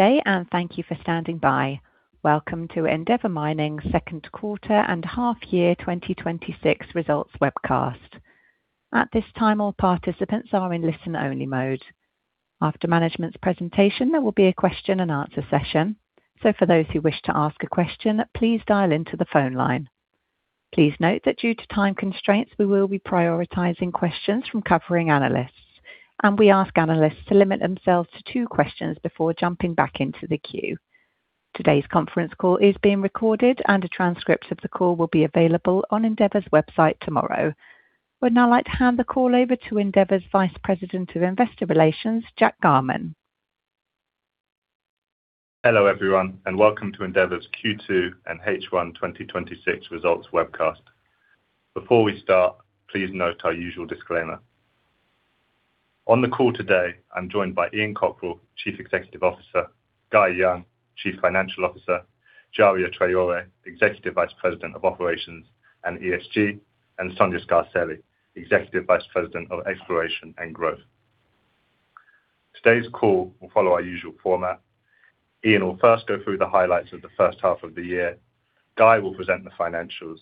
Day. Thank you for standing by. Welcome to Endeavour Mining second quarter and half year 2026 results webcast. At this time, all participants are in listen-only mode. After management's presentation, there will be a question and answer session. For those who wish to ask a question, please dial into the phone line. Please note that due to time constraints, we will be prioritizing questions from covering analysts, and we ask analysts to limit themselves to two questions before jumping back into the queue. Today's conference call is being recorded, and the transcripts of the call will be available on Endeavour's website tomorrow. I would now like to hand the call over to Endeavour's Vice President of Investor Relations, Jack Garman. Hello, everyone, and welcome to Endeavour's Q2 and H1 2026 results webcast. Before we start, please note our usual disclaimer. On the call today, I'm joined by Ian Cockerill, Chief Executive Officer, Guy Young, Chief Financial Officer, Djariat Traore, Executive Vice President of Operations and ESG, and Sonia Scarselli, Executive Vice President of Exploration and Growth. Today's call will follow our usual format. Ian will first go through the highlights of the first half of the year. Guy will present the financials.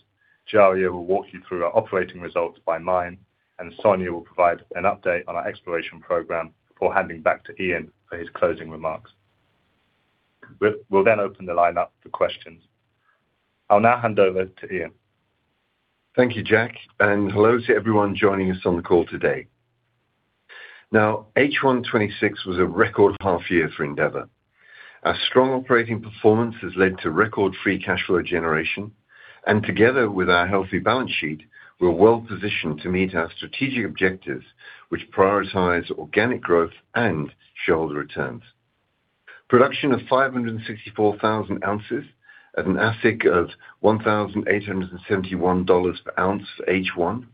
Djariat will walk you through our operating results by mine, and Sonia will provide an update on our exploration program before handing back to Ian for his closing remarks. We'll then open the line up for questions. I'll now hand over to Ian. Thank you, Jack. Hello to everyone joining us on the call today. H1 2026 was a record half year for Endeavour. Our strong operating performance has led to record Free Cash Flow generation and together with our healthy balance sheet, we're well-positioned to meet our strategic objectives, which prioritize organic growth and shareholder returns. Production of 564,000 ounces at an AISC of $1,871 per ounce H1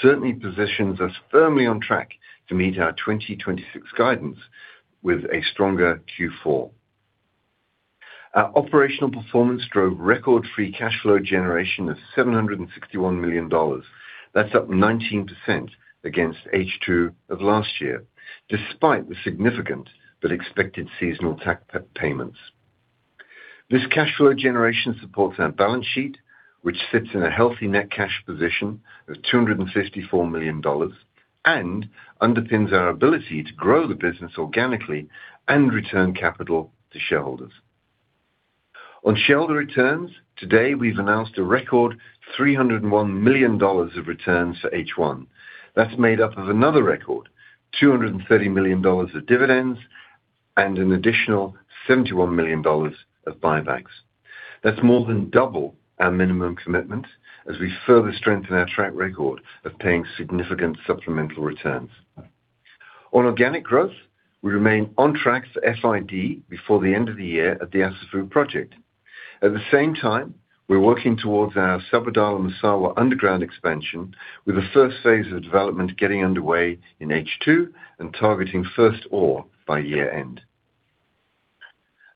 certainly positions us firmly on track to meet our 2026 guidance with a stronger Q4. Our operational performance drove record Free Cash Flow generation of $761 million. That's up 19% against H2 of last year, despite the significant but expected seasonal tax payments. This cash flow generation supports our balance sheet, which sits in a healthy net cash position of $254 million and underpins our ability to grow the business organically and return capital to shareholders. On shareholder returns, today, we've announced a record $301 million of returns for H1. That's made up of another record, $230 million of dividends and an additional $71 million of buybacks. That's more than double our minimum commitment as we further strengthen our track record of paying significant supplemental returns. On organic growth, we remain on track for FID before the end of the year at the Assafou project. At the same time, we're working towards our Sabodala-Massawa underground expansion with the first phase of development getting underway in H2 and targeting first ore by year end.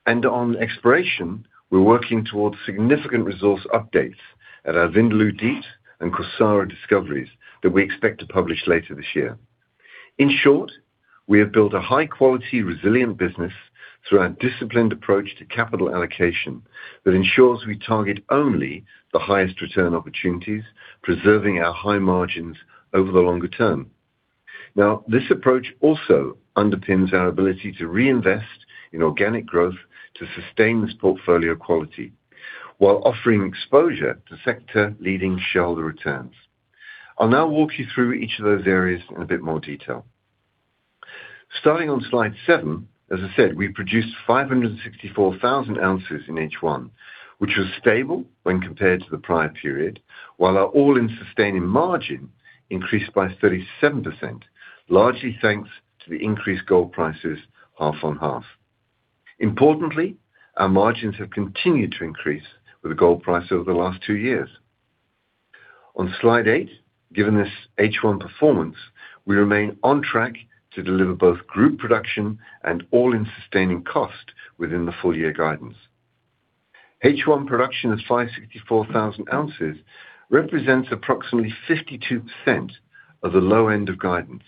On exploration, we're working towards significant resource updates at our Vindaloo Deeps and Kawsara discoveries that we expect to publish later this year. In short, we have built a high-quality, resilient business through our disciplined approach to capital allocation that ensures we target only the highest return opportunities, preserving our high margins over the longer term. This approach also underpins our ability to reinvest in organic growth to sustain this portfolio quality while offering exposure to sector-leading shareholder returns. I'll now walk you through each of those areas in a bit more detail. Starting on slide seven, as I said, we produced 564,000 ounces in H1, which was stable when compared to the prior period, while our All-in sustaining margin increased by 37%, largely thanks to the increased gold prices half on half. Importantly, our margins have continued to increase with the gold price over the last two years. On slide eight, given this H1 performance, we remain on track to deliver both group production and All-in sustaining cost within the full-year guidance. H1 production of 564,000 ounces represents approximately 52% of the low end of guidance,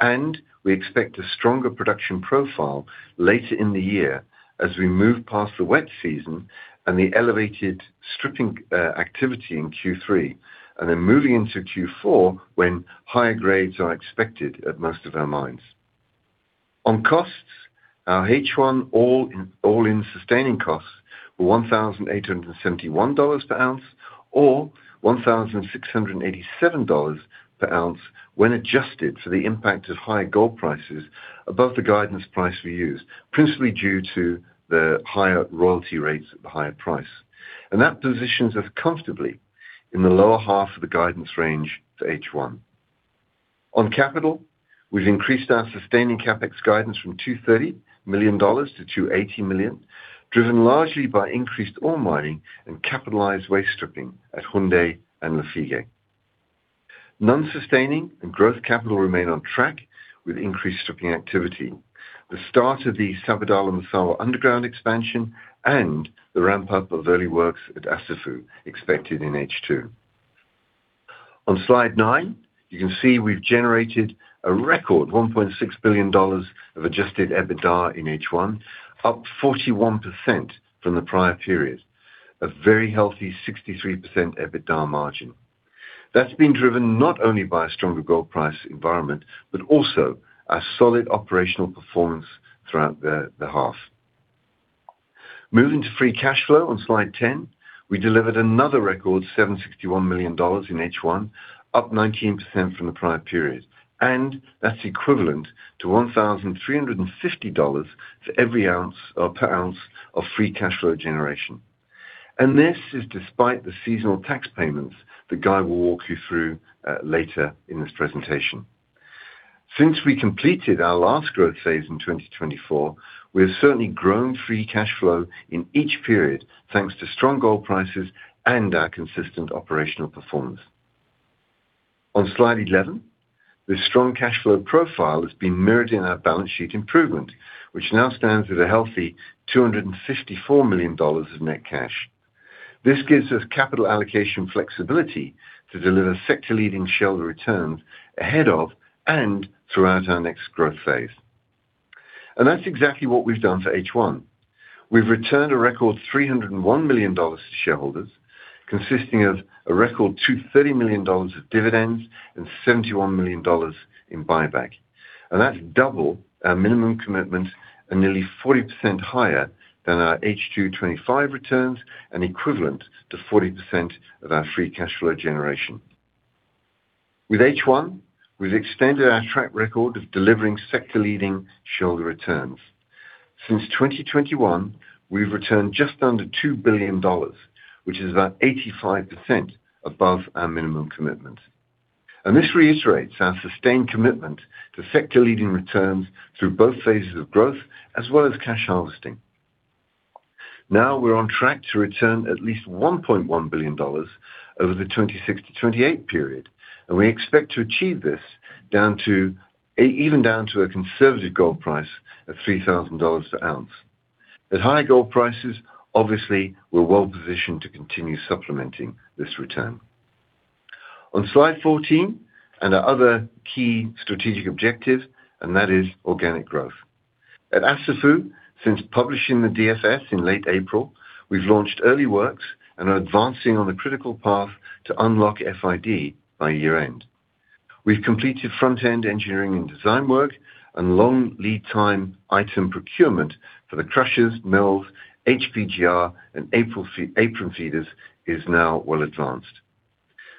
and we expect a stronger production profile later in the year as we move past the wet season and the elevated stripping activity in Q3, moving into Q4, when higher grades are expected at most of our mines. On costs, our H1 All-in sustaining costs were $1,871 per ounce or $1,687 per ounce when adjusted for the impact of higher gold prices above the guidance price we used, principally due to the higher royalty rates at the higher price. That positions us comfortably in the lower half of the guidance range for H1. On capital, we've increased our sustaining CapEx guidance from $230 million to $280 million, driven largely by increased ore mining and capitalized waste stripping at Houndé and Lafigué. Non-sustaining and growth capital remain on track with increased stripping activity. The start of the Sabodala underground expansion and the ramp-up of early works at Assafou expected in H2. On slide nine, you can see we've generated a record $1.6 billion of Adjusted EBITDA in H1, up 41% from the prior period. A very healthy 63% EBITDA margin. That's been driven not only by a stronger gold price environment, but also our solid operational performance throughout the half. Moving to Free Cash Flow on slide 10, we delivered another record, $761 million in H1, up 19% from the prior period, and that's equivalent to $1,350 per ounce of Free Cash Flow generation. This is despite the seasonal tax payments that Guy will walk you through later in this presentation. Since we completed our last growth phase in 2024, we have certainly grown Free Cash Flow in each period, thanks to strong gold prices and our consistent operational performance. On slide 11, this strong cash flow profile has been mirrored in our balance sheet improvement, which now stands at a healthy $254 million of net cash. This gives us capital allocation flexibility to deliver sector-leading shareholder returns ahead of and throughout our next growth phase. That's exactly what we've done for H1. We've returned a record $301 million to shareholders, consisting of a record $230 million of dividends and $71 million in buyback. That's double our minimum commitment and nearly 40% higher than our H2 2025 returns and equivalent to 40% of our Free Cash Flow generation. With H1, we've extended our track record of delivering sector-leading shareholder returns. Since 2021, we've returned just under $2 billion, which is about 85% above our minimum commitment. This reiterates our sustained commitment to sector-leading returns through both phases of growth as well as cash harvesting. Now we're on track to return at least $1.1 billion over the 2026 to 2028 period, and we expect to achieve this even down to a conservative gold price of $3,000 an ounce. At high gold prices, obviously, we're well-positioned to continue supplementing this return. On slide 14, our other key strategic objective, and that is organic growth. At Assafou, since publishing the DFS in late April, we've launched early works and are advancing on the critical path to unlock FID by year-end. We've completed front-end engineering and design work and long lead time item procurement for the crushers, mills, HPGR, and apron feeders is now well advanced.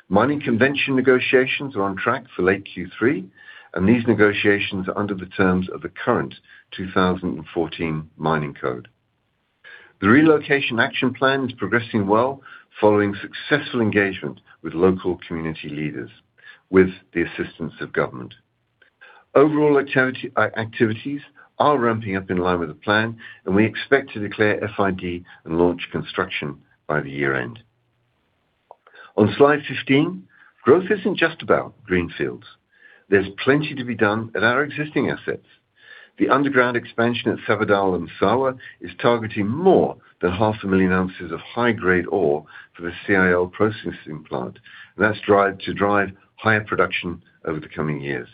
Mining convention negotiations are on track for late Q3, and these negotiations are under the terms of the current 2014 Mining Code. The relocation action plan is progressing well following successful engagement with local community leaders, with the assistance of government. Overall activities are ramping up in line with the plan, and we expect to declare FID and launch construction by the year-end. On slide 15, growth isn't just about greenfields. There's plenty to be done at our existing assets. The underground expansion at Sabodala-Massawa is targeting more than half a million ounces of high-grade ore for the CIL processing plant. That's to drive higher production over the coming years.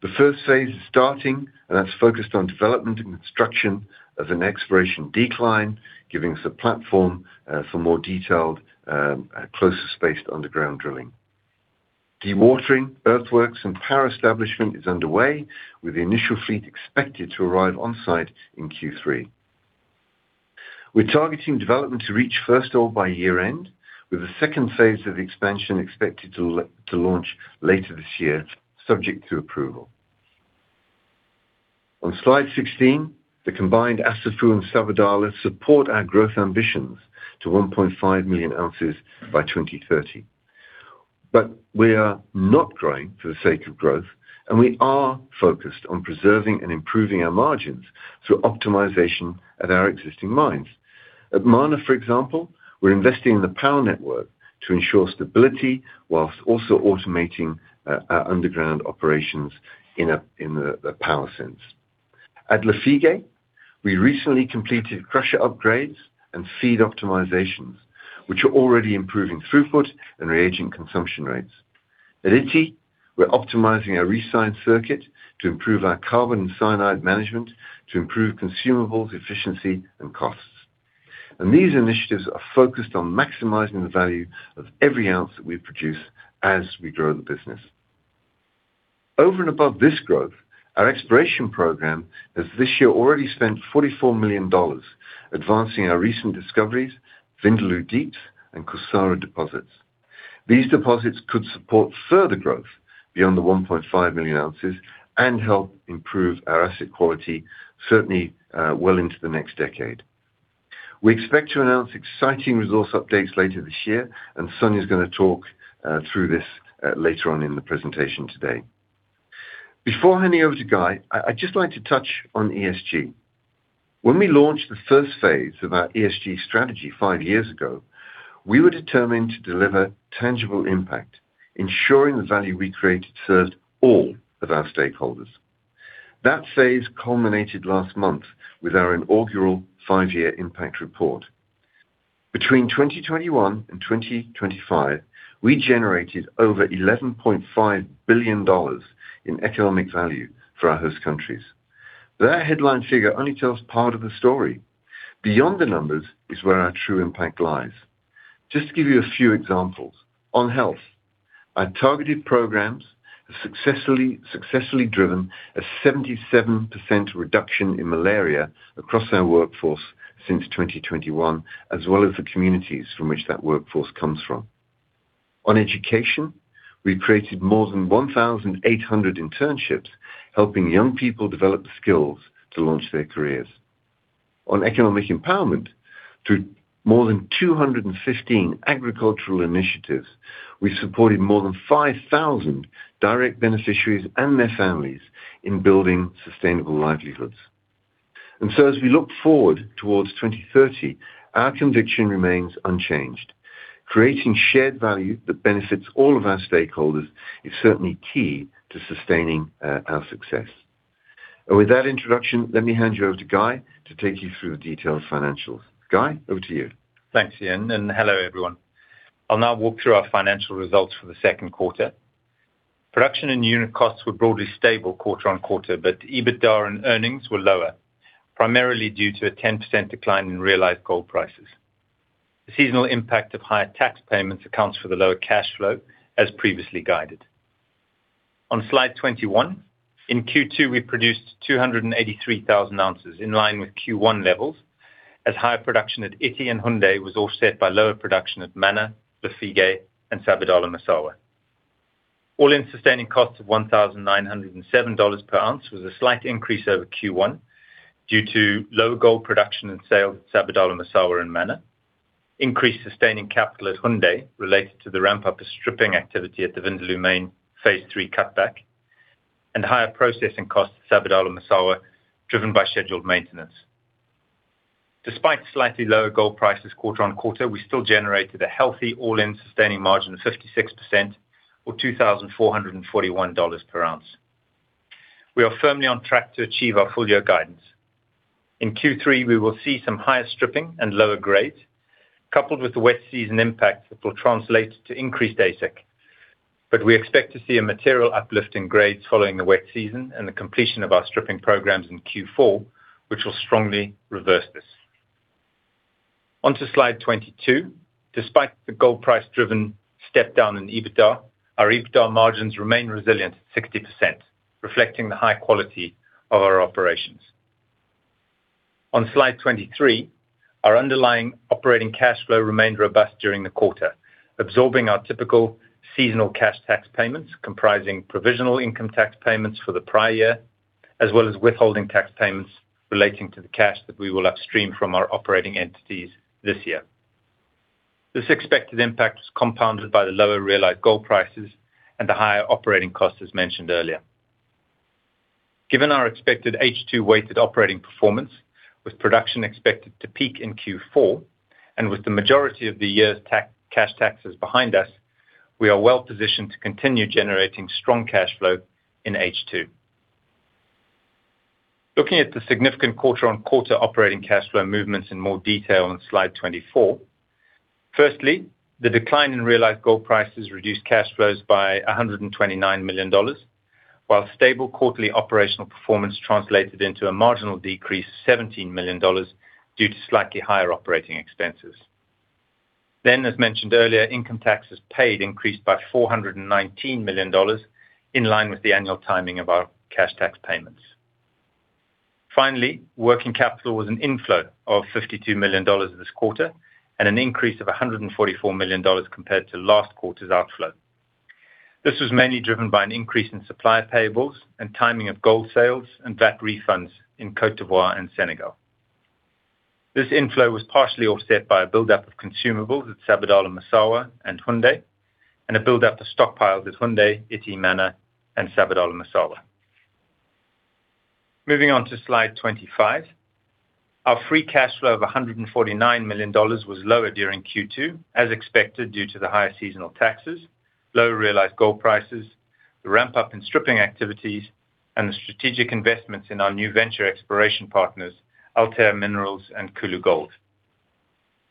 The first phase is starting, and that's focused on development and construction of an exploration decline, giving us a platform for more detailed, closer-spaced underground drilling. Dewatering, earthworks, and power establishment is underway, with the initial fleet expected to arrive on-site in Q3. We're targeting development to reach first ore by year-end, with the second phase of expansion expected to launch later this year, subject to approval. On slide 16, the combined Assafou and Sabodala support our growth ambitions to 1.5 million ounces by 2030. We are not growing for the sake of growth, and we are focused on preserving and improving our margins through optimization at our existing mines. At Mana, for example, we're investing in the power network to ensure stability whilst also automating our underground operations in a power sense. At Lafigué, we recently completed crusher upgrades and FEED optimizations, which are already improving throughput and reagent consumption rates. At Ity, we're optimizing our resin circuit to improve our carbon and cyanide management to improve consumables, efficiency, and costs. These initiatives are focused on maximizing the value of every ounce that we produce as we grow the business. Over and above this growth, our exploration program has this year already spent $44 million advancing our recent discoveries, Vindaloo Deep and Kawsara deposits. These deposits could support further growth beyond the 1.5 million ounces and help improve our asset quality, certainly well into the next decade. We expect to announce exciting resource updates later this year. Sonia is going to talk through this later on in the presentation today. Before handing over to Guy, I would just like to touch on ESG. When we launched the first phase of our ESG strategy five years ago, we were determined to deliver tangible impact, ensuring the value we created served all of our stakeholders. That phase culminated last month with our inaugural five-year impact report. Between 2021 and 2025, we generated over $11.5 billion in economic value for our host countries. That headline figure only tells part of the story. Beyond the numbers is where our true impact lies. Just to give you a few examples. On health, our targeted programs have successfully driven a 77% reduction in malaria across our workforce since 2021, as well as the communities from which that workforce comes from. On education, we created more than 1,800 internships, helping young people develop the skills to launch their careers. On economic empowerment, through more than 215 agricultural initiatives, we supported more than 5,000 direct beneficiaries and their families in building sustainable livelihoods. As we look forward towards 2030, our conviction remains unchanged. Creating shared value that benefits all of our stakeholders is certainly key to sustaining our success. With that introduction, let me hand you over to Guy to take you through the detailed financials. Guy, over to you. Thanks, Ian, and hello, everyone. I will now walk through our financial results for the second quarter. Production and unit costs were broadly stable quarter-on-quarter. EBITDA and earnings were lower, primarily due to a 10% decline in realized gold prices. The seasonal impact of higher tax payments accounts for the lower cash flow as previously guided. On slide 21, in Q2, we produced 283,000 ounces, in line with Q1 levels, as higher production at Ity and Houndé was offset by lower production at Mana, Lafigué, and Sabodala-Massawa. All-in sustaining costs of $1,907 per ounce was a slight increase over Q1 due to low gold production and sale at Sabodala-Massawa and Mana, increased sustaining capital at Houndé related to the ramp-up of stripping activity at the Vindaloo Main phase 3 cutback, and higher processing costs at Sabodala-Massawa, driven by scheduled maintenance. Despite slightly lower gold prices quarter-on-quarter, we still generated a healthy all-in sustaining margin of 56% or $2,441 per ounce. We are firmly on track to achieve our full-year guidance. In Q3, we will see some higher stripping and lower grades, coupled with the wet season impact that will translate to increased AISC. We expect to see a material uplift in grades following the wet season and the completion of our stripping programs in Q4, which will strongly reverse this. On to slide 22. Despite the gold price-driven step down in EBITDA, our EBITDA margins remain resilient at 60%, reflecting the high quality of our operations. On slide 23, our underlying operating cash flow remained robust during the quarter, absorbing our typical seasonal cash tax payments comprising provisional income tax payments for the prior year, as well as withholding tax payments relating to the cash that we will upstream from our operating entities this year. This expected impact is compounded by the lower realized gold prices and the higher operating costs as mentioned earlier. Given our expected H2 weighted operating performance, with production expected to peak in Q4, and with the majority of the year's cash taxes behind us, we are well-positioned to continue generating strong cash flow in H2. Looking at the significant quarter-on-quarter operating cash flow movements in more detail on slide 24. Firstly, the decline in realized gold prices reduced cash flows by $129 million, while stable quarterly operational performance translated into a marginal decrease of $17 million due to slightly higher operating expenses. Then, as mentioned earlier, income taxes paid increased by $419 million, in line with the annual timing of our cash tax payments. Finally, working capital was an inflow of $52 million this quarter and an increase of $144 million compared to last quarter's outflow. This was mainly driven by an increase in supply payables and timing of gold sales and VAT refunds in Côte d'Ivoire and Senegal. This inflow was partially offset by a buildup of consumables at Sabodala-Massawa and Houndé, and a buildup of stockpiles at Houndé, Ity, Mana, and Sabodala-Massawa. Moving on to slide 25. Our Free Cash Flow of $149 million was lower during Q2, as expected, due to the higher seasonal taxes, lower realized gold prices, the ramp-up in stripping activities, and the strategic investments in our new venture exploration partners, Altair Minerals and Koulou Gold.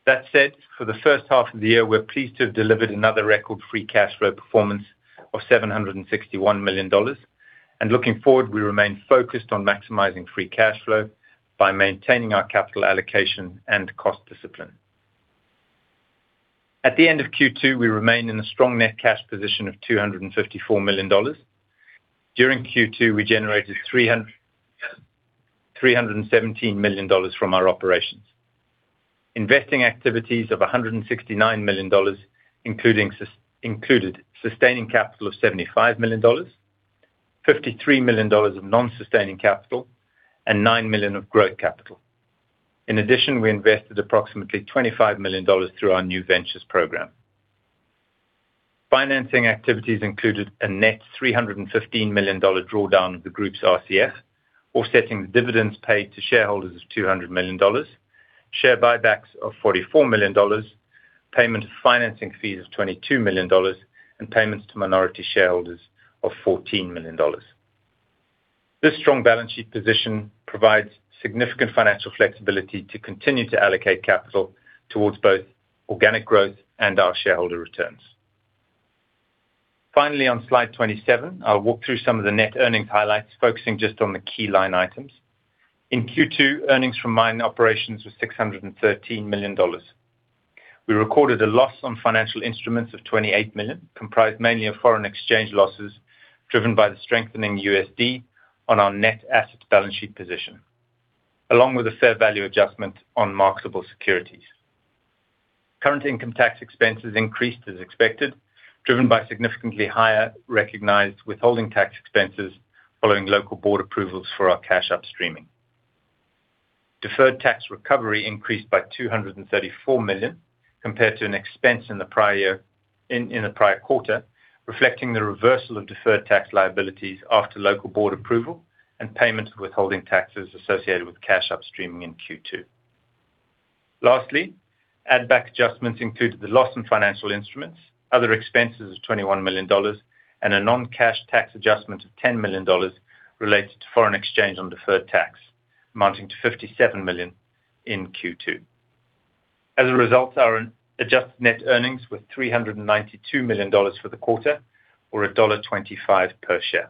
That said, for the first half of the year, we're pleased to have delivered another record Free Cash Flow performance of $761 million. Looking forward, we remain focused on maximizing Free Cash Flow by maintaining our capital allocation and cost discipline. At the end of Q2, we remained in a strong net cash position of $254 million. During Q2, we generated $317 million from our operations. Investing activities of $169 million included sustaining capital of $75 million, $53 million of non-sustaining capital, and $9 million of growth capital. In addition, we invested approximately $25 million through our new ventures program. Financing activities included a net $315 million drawdown of the group's RCF, offsetting the dividends paid to shareholders of $200 million, share buybacks of $44 million. Payment of financing fees of $22 million and payments to minority shareholders of $14 million. This strong balance sheet position provides significant financial flexibility to continue to allocate capital towards both organic growth and our shareholder returns. Finally, on slide 27, I'll walk through some of the net earnings highlights, focusing just on the key line items. In Q2, earnings from mining operations was $613 million. We recorded a loss on financial instruments of $28 million, comprised mainly of foreign exchange losses driven by the strengthening USD on our net asset balance sheet position, along with a fair value adjustment on marketable securities. Current income tax expenses increased as expected, driven by significantly higher recognized withholding tax expenses following local board approvals for our cash upstreaming. Deferred tax recovery increased by $234 million compared to an expense in the prior quarter, reflecting the reversal of deferred tax liabilities after local board approval and payment of withholding taxes associated with cash upstreaming in Q2. Add-back adjustments included the loss in financial instruments, other expenses of $21 million, and a non-cash tax adjustment of $10 million related to foreign exchange on deferred tax, amounting to $57 million in Q2. As a result, our adjusted net earnings were $392 million for the quarter or $1.25 per share.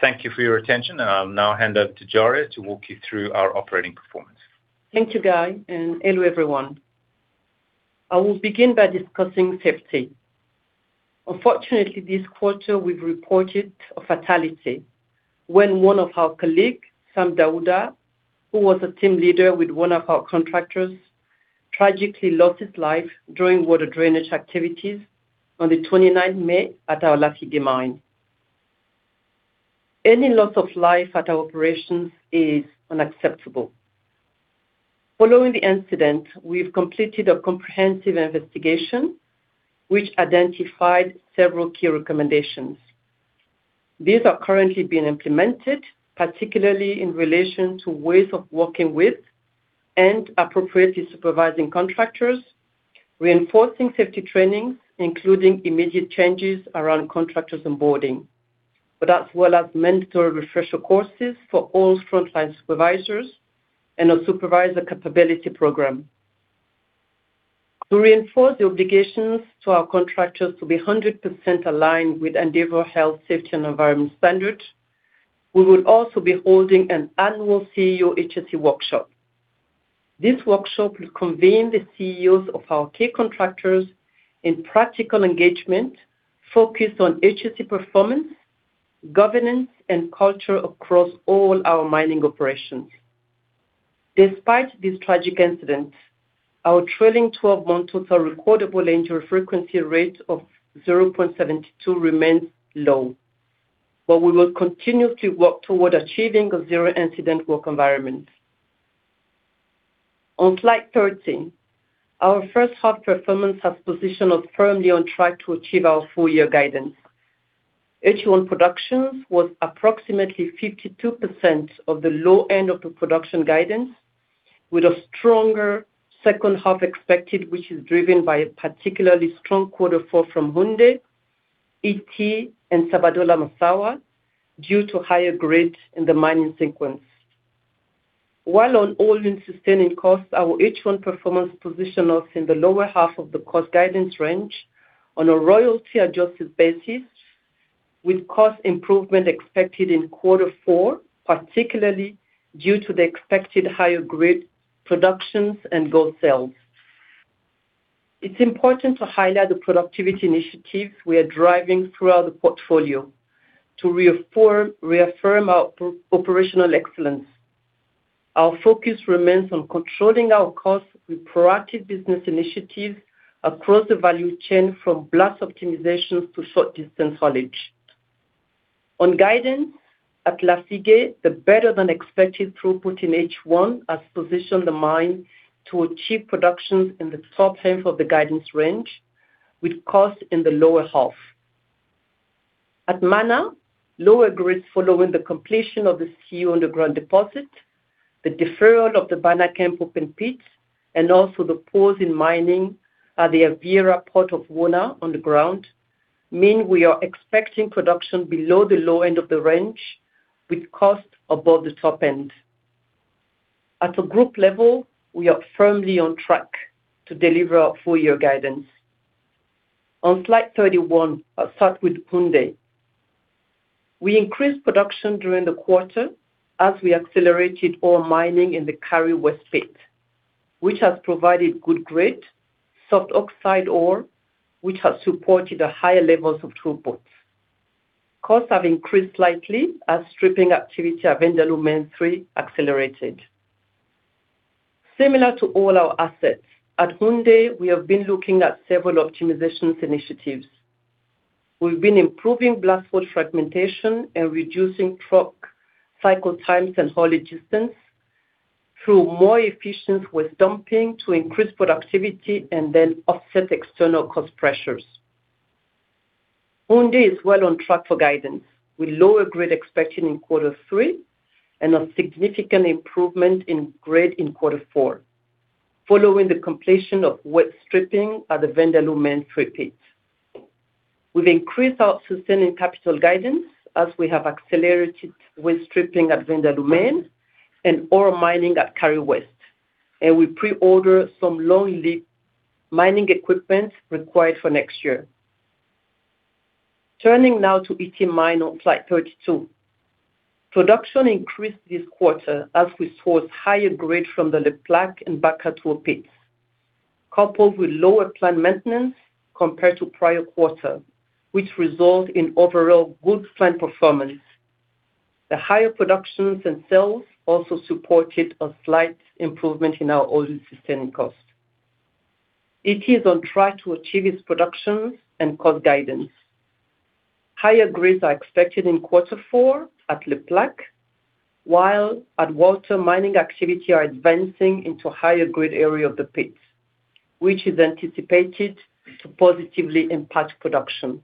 Thank you for your attention. I'll now hand over to Djaria to walk you through our operating performance. Thank you, Guy. Hello, everyone. I will begin by discussing safety. Unfortunately, this quarter, we've reported a fatality when one of our colleagues, Sam Dauda, who was a team leader with one of our contractors, tragically lost his life during water drainage activities on the 29th May at our Lafigué mine. Any loss of life at our operations is unacceptable. Following the incident, we've completed a comprehensive investigation, which identified several key recommendations. These are currently being implemented, particularly in relation to ways of working with and appropriately supervising contractors, reinforcing safety training, including immediate changes around contractors onboarding, but as well as mandatory refresher courses for all frontline supervisors and a supervisor capability program. To reinforce the obligations to our contractors to be 100% aligned with Endeavour Health, Safety, and Environment standards, we will also be holding an annual CEO HSE workshop. This workshop will convene the CEOs of our key contractors in practical engagement focused on HSE performance, governance, and culture across all our mining operations. Despite this tragic incident, our trailing 12-month total recordable injury frequency rate of 0.72 remains low. We will continue to work toward achieving a zero-incident work environment. On slide 13, our first half performance has positioned us firmly on track to achieve our full-year guidance. H1 productions was approximately 52% of the low end of the production guidance, with a stronger second half expected, which is driven by a particularly strong quarter four from Houndé, Ity, and Sabodala-Massawa due to higher grades in the mining sequence. While on All-in sustaining costs, our H1 performance position is in the lower half of the cost guidance range on a royalty-adjusted basis, with cost improvement expected in quarter four, particularly due to the expected higher grade productions and gold sales. It's important to highlight the productivity initiatives we are driving throughout the portfolio to reaffirm our operational excellence. Our focus remains on controlling our costs with proactive business initiatives across the value chain, from blast optimization to short distance haulage. On guidance at Lafigué, the better-than-expected throughput in H1 has positioned the mine to achieve productions in the top half of the guidance range, with cost in the lower half. At Mana, lower grids following the completion of the Siou underground deposit, the deferral of the Bana Camp open pit, also the pause in mining at the Aviera portion of the Wona underground, mean we are expecting production below the low end of the range with cost above the top end. At a group level, we are firmly on track to deliver our full-year guidance. On slide 31, I'll start with Houndé. We increased production during the quarter as we accelerated ore mining in the Kari West pit, which has provided good grade, soft oxide ore, which has supported the higher levels of throughput. Costs have increased slightly as stripping activity at Ndoloma Three accelerated. Similar to all our assets, at Houndé, we have been looking at several optimization initiatives. We've been improving blast hole fragmentation and reducing truck cycle times and haulage distance through more efficient waste dumping to increase productivity and offset external cost pressures. Houndé is well on track for guidance, with lower grade expected in quarter three and a significant improvement in grade in quarter four, following the completion of wet stripping at the Vindaloo Main strip pit. We've increased our sustaining capital guidance as we have accelerated with stripping at Vindaloo Main and ore mining at Kari West, and we pre-order some long-lead mining equipment required for next year. Turning now to Ity Mine on slide 32. Production increased this quarter as we sourced higher grade from the Le Plaque and Bakatouo pits, coupled with lower plant maintenance compared to prior quarter, which result in overall good plant performance. The higher productions and sales also supported a slight improvement in our all-in sustaining cost. Ity is on track to achieve its productions and cost guidance. Higher grades are expected in quarter four at Le Plaque, while at Walter, mining activity are advancing into higher grade area of the pit, which is anticipated to positively impact production.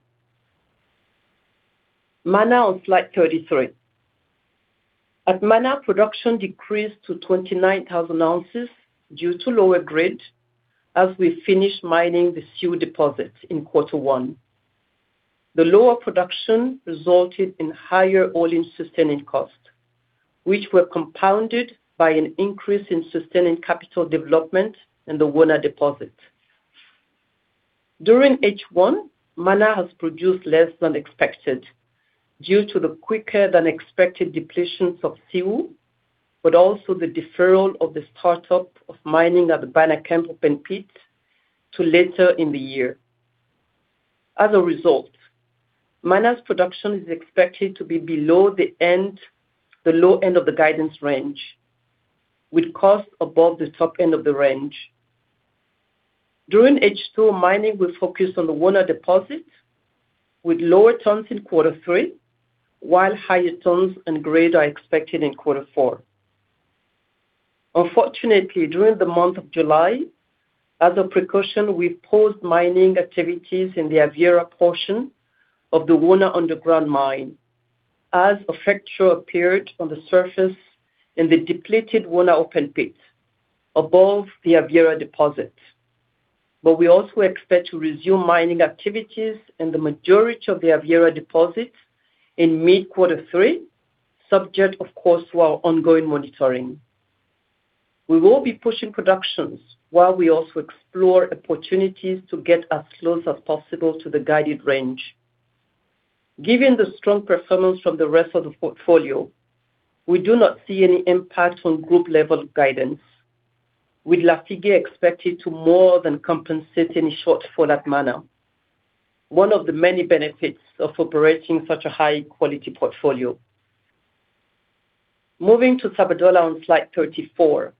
Mana on slide 33. At Mana, production decreased to 29,000 ounces due to lower grade as we finished mining the Siou deposit in quarter one. The lower production resulted in higher all-in sustaining cost, which were compounded by an increase in sustaining capital development in the Wona deposit. During H1, Mana has produced less than expected due to the quicker than expected depletions of Siou, also the deferral of the start-up of mining at the Banakem open pit to later in the year. As a result, Mana's production is expected to be below the low end of the guidance range, with cost above the top end of the range. During H2, mining will focus on the Wona deposit, with lower tons in quarter three, while higher tons and grade are expected in quarter four. Unfortunately, during the month of July, as a precaution, we've paused mining activities in the Aviera portion of the Wona underground mine as a fracture appeared on the surface in the depleted Wona open pit above the Aviera deposit. We also expect to resume mining activities in the majority of the Aviera deposit in mid quarter three, subject, of course, to our ongoing monitoring. We will be pushing productions while we also explore opportunities to get as close as possible to the guided range. Given the strong performance from the rest of the portfolio, we do not see any impact on group level guidance, with Lafigué expected to more than compensate any shortfall at Mana, one of the many benefits of operating such a high-quality portfolio. Moving to Sabodala on slide 34.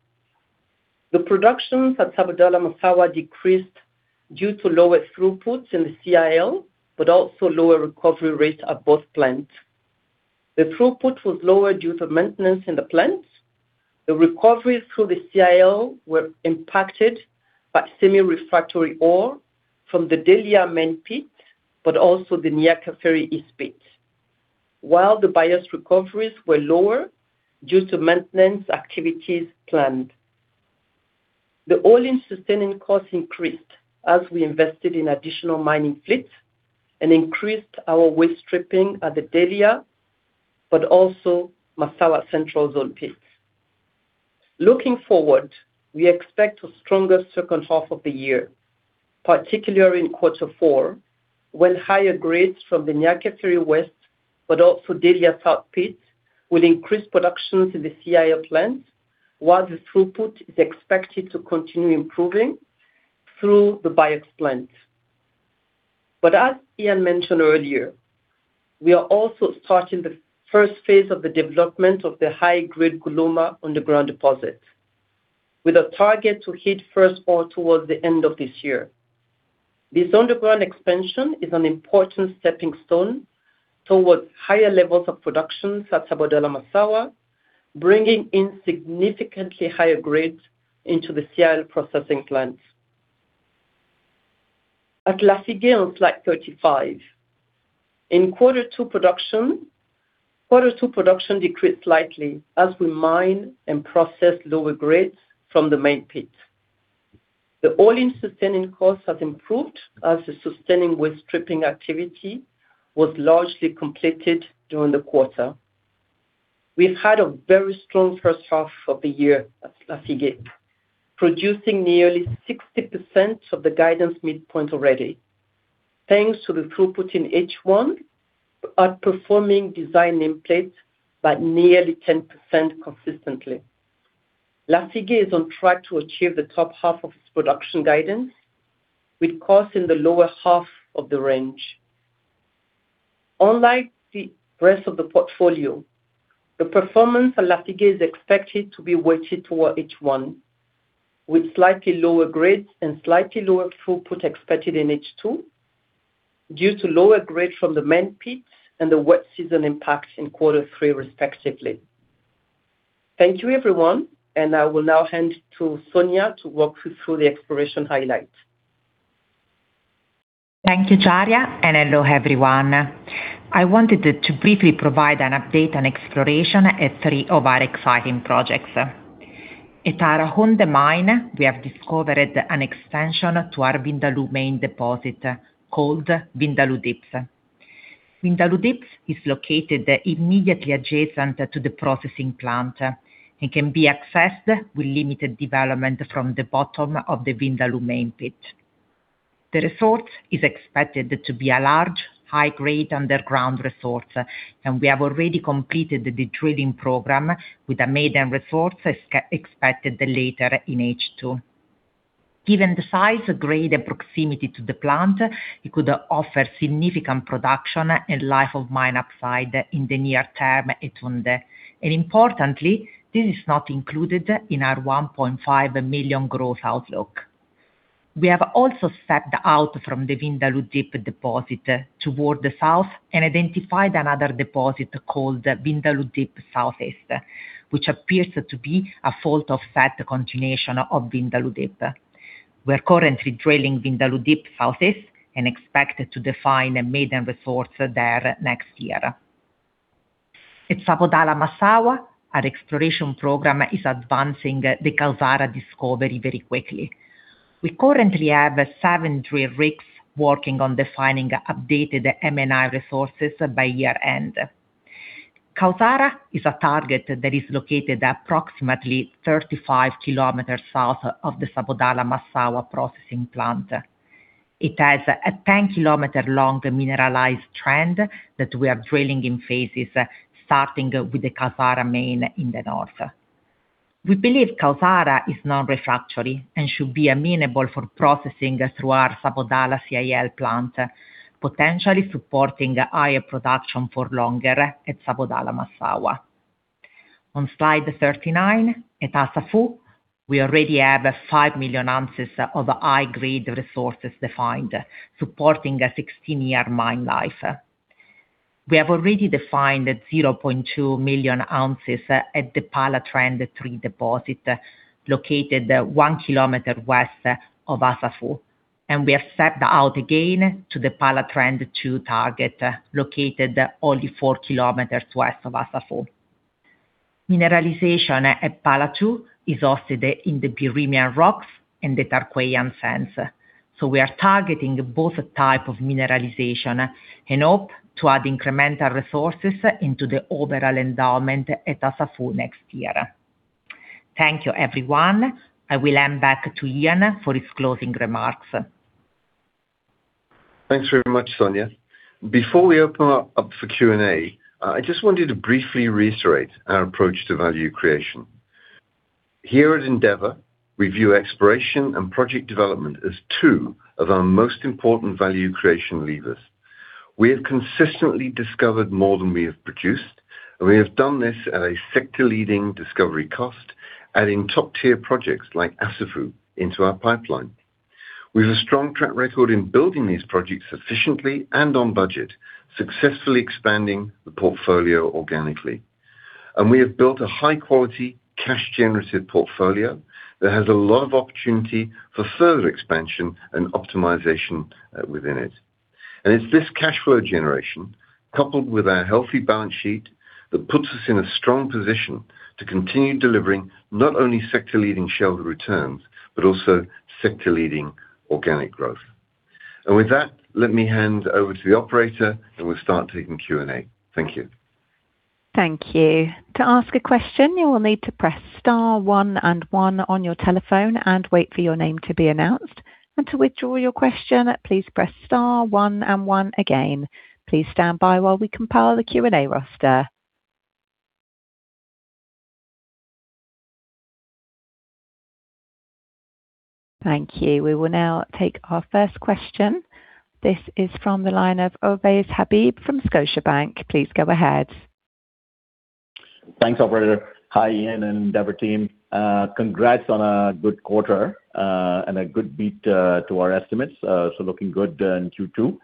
The productions at Sabodala-Massawa decreased due to lower throughput in the CIL, but also lower recovery rate at both plants. The throughput was lower due to maintenance in the plants. The recoveries through the CIL were impacted by semi-refractory ore from the Delya Main pit, but also the Niakafiri East pit. While the BIOX recoveries were lower due to maintenance activities planned. The All-in sustaining cost increased as we invested in additional mining fleets and increased our waste stripping at the Delya, but also Massawa Central Zone pit. Looking forward, we expect a stronger second half of the year, particularly in quarter 4, when higher grades from the Niakafiri East, but also Delya South pit, will increase production to the CIL plant, while the throughput is expected to continue improving through the BIOX plant. This underground expansion is an important stepping stone towards higher levels of production at Sabodala-Massawa, bringing in significantly higher grades into the CIL processing plant. At Lafigué on slide 35. In quarter 2 production, quarter 2 production decreased slightly as we mine and process lower grades from the Main pit. The All-in sustaining cost has improved as the sustaining with stripping activity was largely completed during the quarter. We've had a very strong first half of the year at Lafigué, producing nearly 60% of the guidance midpoint already, thanks to the throughput in H1 outperforming design input by nearly 10% consistently. Lafigué is on track to achieve the top half of its production guidance, with costs in the lower half of the range. Unlike the rest of the portfolio, the performance at Lafigué is expected to be weighted toward H1, with slightly lower grades and slightly lower throughput expected in H2, due to lower grade from the Main pit and the wet season impact in quarter 3, respectively. Thank you, everyone, and I will now hand to Sonia to walk you through the exploration highlights. Thank you, Djariat, and hello, everyone. I wanted to briefly provide an update on exploration at three of our exciting projects. At our Houndé Mine, we have discovered an expansion to our Vindaloo Main deposit, called Vindaloo Deeps. Vindaloo Deeps is located immediately adjacent to the processing plant and can be accessed with limited development from the bottom of the Vindaloo Main pit. The resource is expected to be a large, high-grade underground resource, and we have already completed the trailing program with a maiden resource expected later in H2. Given the size, grade, and proximity to the plant, it could offer significant production and life of mine upside in the near term at Houndé. And importantly, this is not included in our $1.5 million growth outlook. We have also stepped out from the Vindaloo Deep deposit toward the south and identified another deposit called Vindaloo Deep Southeast, which appears to be a fault of that continuation of Vindaloo Deep. We are currently drilling Vindaloo Deep Southeast and expect to define a maiden resource there next year. At Sabodala-Massawa, our exploration program is advancing the Kawsara discovery very quickly. We currently have seven drill rigs working on defining updated M&I resources by year-end. Kawsara is a target that is located approximately 35 kilometers south of the Sabodala-Massawa processing plant. It has a 10-kilometer long mineralized trend that we are drilling in phases, starting with the Kawsara Main in the north. We believe Kawsara is non-refractory and should be amenable for processing through our Sabodala CIL plant, potentially supporting higher production for longer at Sabodala-Massawa. On slide 39, at Assafou, we already have 5 million ounces of high-grade resources defined, supporting a 16-year mine life. We have already defined 0.2 million ounces at the Pala Trend 3 deposit, located one kilometer west of Assafou, and we have stepped out again to the Pala Trend 2 target, located only four kilometers west of Assafou. Mineralization at Pala 2 is hosted in the Birimian rocks and the Tarkwaian sands. So we are targeting both type of mineralization and hope to add incremental resources into the overall endowment at Assafou next year. Thank you, everyone. I will hand back to Ian for his closing remarks. Thanks very much, Sonia. Before we open up for Q&A, I just wanted to briefly reiterate our approach to value creation. Here at Endeavour, we view exploration and project development as two of our most important value creation levers. We have consistently discovered more than we have produced, and we have done this at a sector-leading discovery cost, adding top-tier projects like Assafou into our pipeline. We have a strong track record in building these projects efficiently and on budget, successfully expanding the portfolio organically. We have built a high-quality, cash-generative portfolio that has a lot of opportunity for further expansion and optimization within it. It is this cash flow generation, coupled with our healthy balance sheet, that puts us in a strong position to continue delivering not only sector-leading shareholder returns, but also sector-leading organic growth. With that, let me hand over to the operator, and we will start taking Q&A. Thank you. Thank you. To ask a question, you will need to press star one and one on your telephone and wait for your name to be announced. To withdraw your question, please press star one and one again. Please stand by while we compile the Q&A roster. Thank you. We will now take our first question. This is from the line of Ovais Habib from Scotiabank. Please go ahead. Thanks, operator. Hi, Ian and Endeavour team. Congrats on a good quarter and a good beat to our estimates. Looking good in Q2.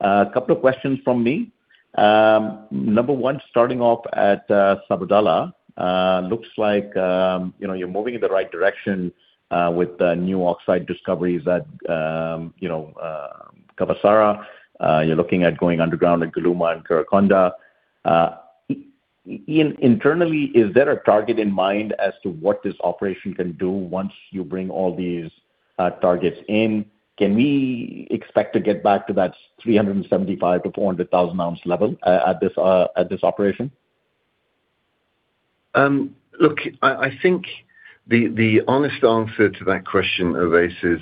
A couple of questions from me. Number one, starting off at Sabodala, looks like you're moving in the right direction with the new oxide discoveries at Kawsara. You're looking at going underground at Goulouma and Kerekounda. Ian, internally, is there a target in mind as to what this operation can do once you bring all these targets in? Can we expect to get back to that 375,000-400,000 ounce level at this operation? Look, I think the honest answer to that question, Ovais, is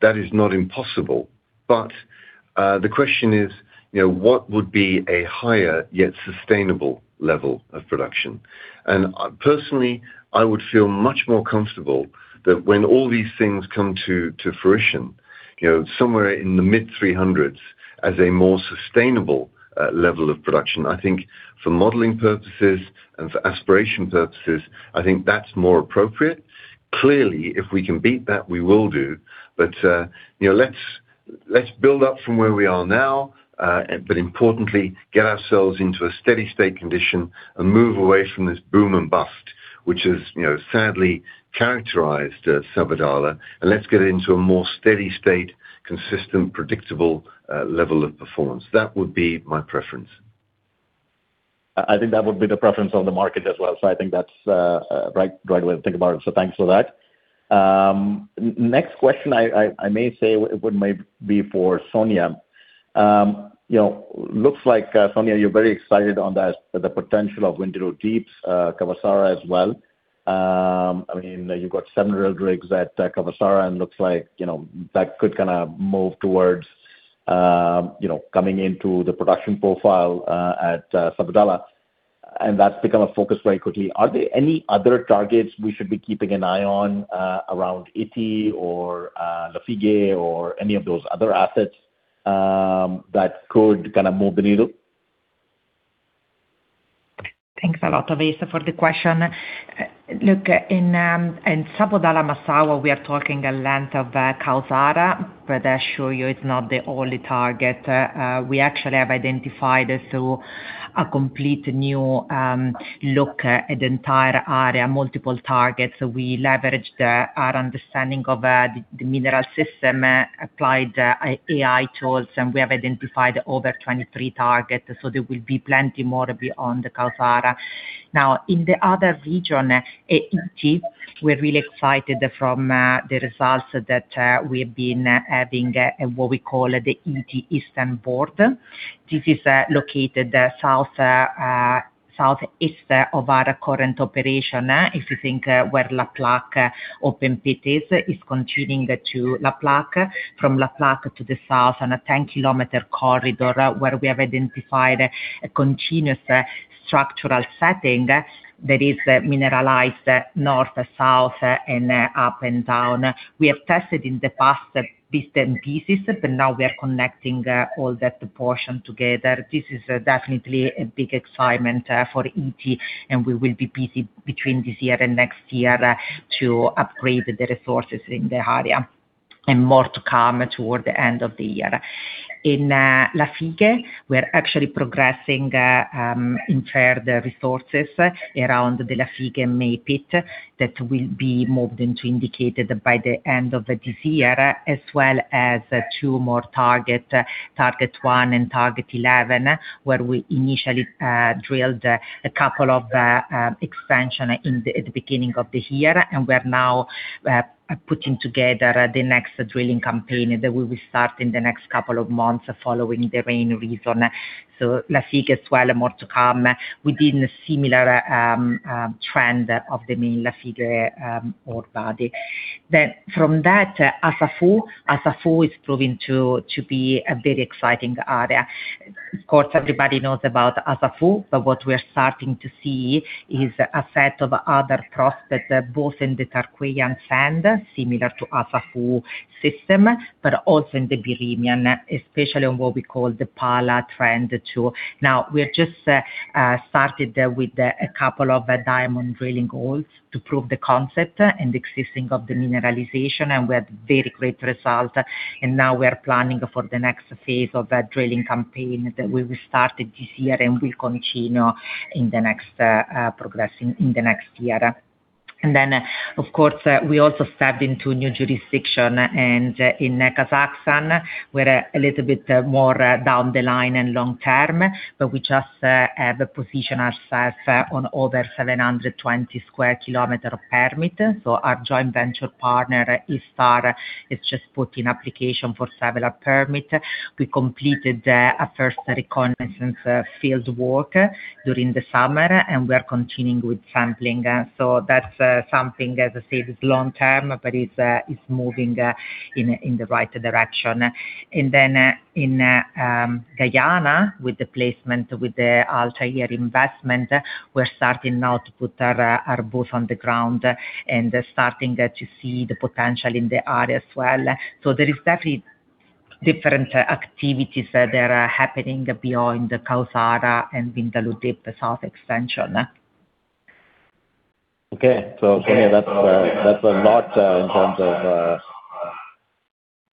that is not impossible. The question is, what would be a higher yet sustainable level of production? Personally, I would feel much more comfortable that when all these things come to fruition, somewhere in the mid-300s as a more sustainable level of production, I think for modeling purposes and for aspiration purposes, I think that's more appropriate. Clearly, if we can beat that, we will do. Let's build up from where we are now, but importantly, get ourselves into a steady state condition and move away from this boom and bust, which has sadly characterized Sabodala, let's get into a more steady state, consistent, predictable level of performance. That would be my preference. I think that would be the preference of the market as well. I think that's a right way to think about it. Thanks for that. Next question, I may say, would maybe be for Sonia. Looks like, Sonia, you're very excited on the potential of Vindaloo Deeps, Kawsara as well. You've got several rigs at Kawsara and looks like that could move towards coming into the production profile at Sabodala, and that's become a focus very quickly. Are there any other targets we should be keeping an eye on around Ity or Lafigué or any of those other assets that could move the needle? Thanks a lot, Ovais, for the question. Look, in Sabodala-Massawa, we are talking a length of Kawsara, but I assure you it's not the only target. We actually have identified through a complete new look at the entire area, multiple targets. We leveraged our understanding of the mineral system, applied AI tools, and we have identified over 23 targets. There will be plenty more beyond the Kawsara. Now, in the other region, Ity, we're really excited from the results that we've been having at what we call the Ity Eastern Border. This is located southeast of our current operation. If you think where Le Plaque open pit is, it's continuing to Le Plaque, from Le Plaque to the south on a 10-kilometer corridor where we have identified a continuous structural setting that is mineralized north, south, and up and down. Now we are connecting all that portion together. This is definitely a big excitement for Ity, we will be busy between this year and next year to upgrade the resources in the area, and more to come toward the end of the year. In Lafigué, we're actually progressing inferred resources around the Lafigué main pit that will be moved into indicated by the end of this year, as well as 2 more target 1 and target 11, where we initially drilled a couple of expansion at the beginning of the year. We're now putting together the next drilling campaign that we will start in the next couple of months following the rain reason. Lafigué as well, more to come within a similar trend of the main Lafigué ore body. From that, Assafou. Assafou is proving to be a very exciting area. Of course, everybody knows about Assafou, but what we're starting to see is a set of other prospects, both in the Tarkwaian sand, similar to Assafou system, but also in the Birimian, especially on what we call the Pala Trend 2. Now, we have just started with a couple of diamond drilling holes to prove the concept and the existing of the mineralization, and we had very great results. Now we are planning for the next phase of that drilling campaign that we've started this year and will continue progressing in the next year. Of course, we also stepped into a new jurisdiction. In Kazakhstan, we're a little bit more down the line and long-term, but we just have positioned ourselves on over 720 sq km permit. Our joint venture partner, East Star, has just put in application for several permit. We completed a first reconnaissance field work during the summer, and we are continuing with sampling. That's something, as I said, is long-term, but it's moving in the right direction. In Guyana, with the placement, with the Altair investment, we're starting now to put our booth on the ground and starting to see the potential in the area as well. There is definitely different activities that are happening beyond the Kawsara and Vindaloo Deeps south extension. Okay. That's a lot in terms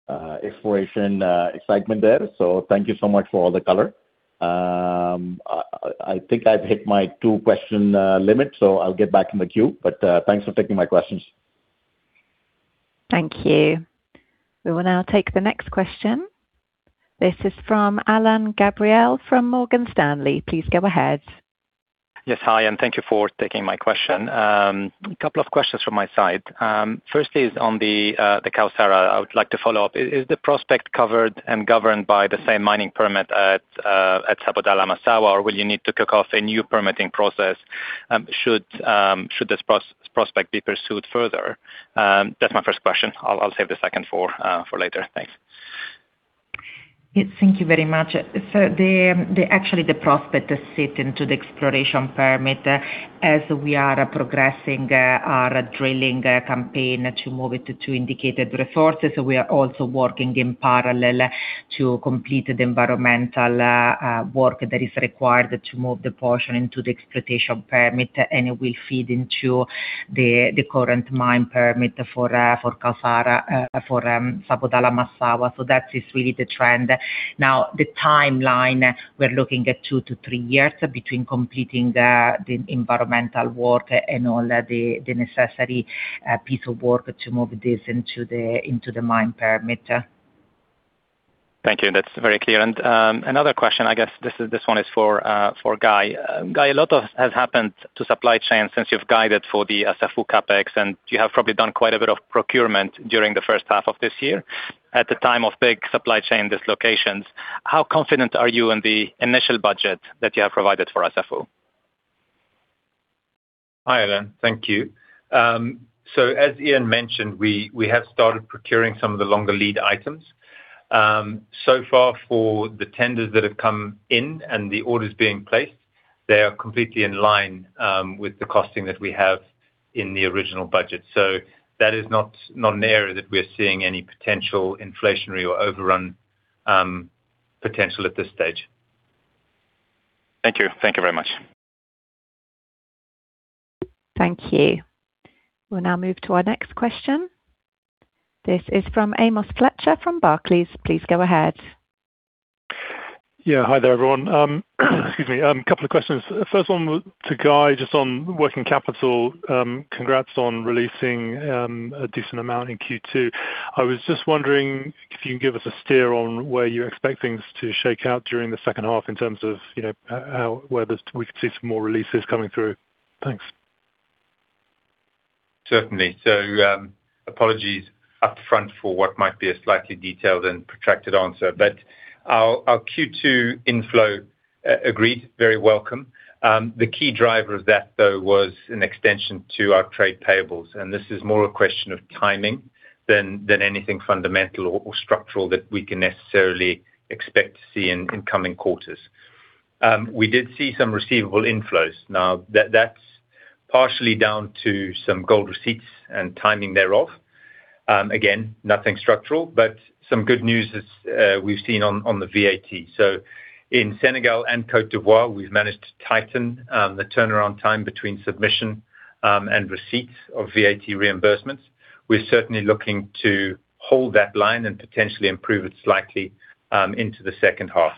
of exploration excitement there. Thank you so much for all the color. I think I've hit my two-question limit, so I'll get back in the queue. Thanks for taking my questions. Thank you. We will now take the next question. This is from Alain Gabriel from Morgan Stanley. Please go ahead. Yes. Hi, thank you for taking my question. A couple of questions from my side. Firstly is on the Kawsara. I would like to follow up. Is the prospect covered and governed by the same mining permit at Sabodala-Massawa, or will you need to kick off a new permitting process should this prospect be pursued further? That's my first question. I'll save the second for later. Thanks. Thank you very much. Actually, the prospect sit into the exploration permit as we are progressing our drilling campaign to move it to indicated resources. We are also working in parallel to complete the environmental work that is required to move the portion into the exploitation permit, and it will feed into the current mine permit for Sabodala-Massawa, that is really the trend. The timeline, we're looking at two to three years between completing the environmental work and all the necessary piece of work to move this into the mine permit. Thank you. That's very clear. Another question, I guess this one is for Guy. Guy, a lot has happened to supply chain since you've guided for the Assafou CapEx, and you have probably done quite a bit of procurement during the first half of this year at the time of big supply chain dislocations. How confident are you in the initial budget that you have provided for Assafou? Hi there. Thank you. As Ian mentioned, we have started procuring some of the longer lead items. Far for the tenders that have come in and the orders being placed, they are completely in line with the costing that we have in the original budget. That is not an area that we're seeing any potential inflationary or overrun potential at this stage. Thank you. Thank you very much. Thank you. We'll now move to our next question. This is from Amos Fletcher from Barclays. Please go ahead. Hi there, everyone. Excuse me. Couple of questions. First one to Guy, just on working capital. Congrats on releasing a decent amount in Q2. I was just wondering if you can give us a steer on where you expect things to shake out during the second half in terms of whether we could see some more releases coming through. Thanks. Certainly. Apologies up front for what might be a slightly detailed and protracted answer, our Q2 inflow, agreed, very welcome. The key driver of that, though, was an extension to our trade payables. This is more a question of timing than anything fundamental or structural that we can necessarily expect to see in coming quarters. We did see some receivable inflows. That's partially down to some gold receipts and timing thereof. Nothing structural, some good news is we've seen on the VAT. In Senegal and Côte d'Ivoire, we've managed to tighten the turnaround time between submission and receipts of VAT reimbursements. We're certainly looking to hold that line and potentially improve it slightly into the second half.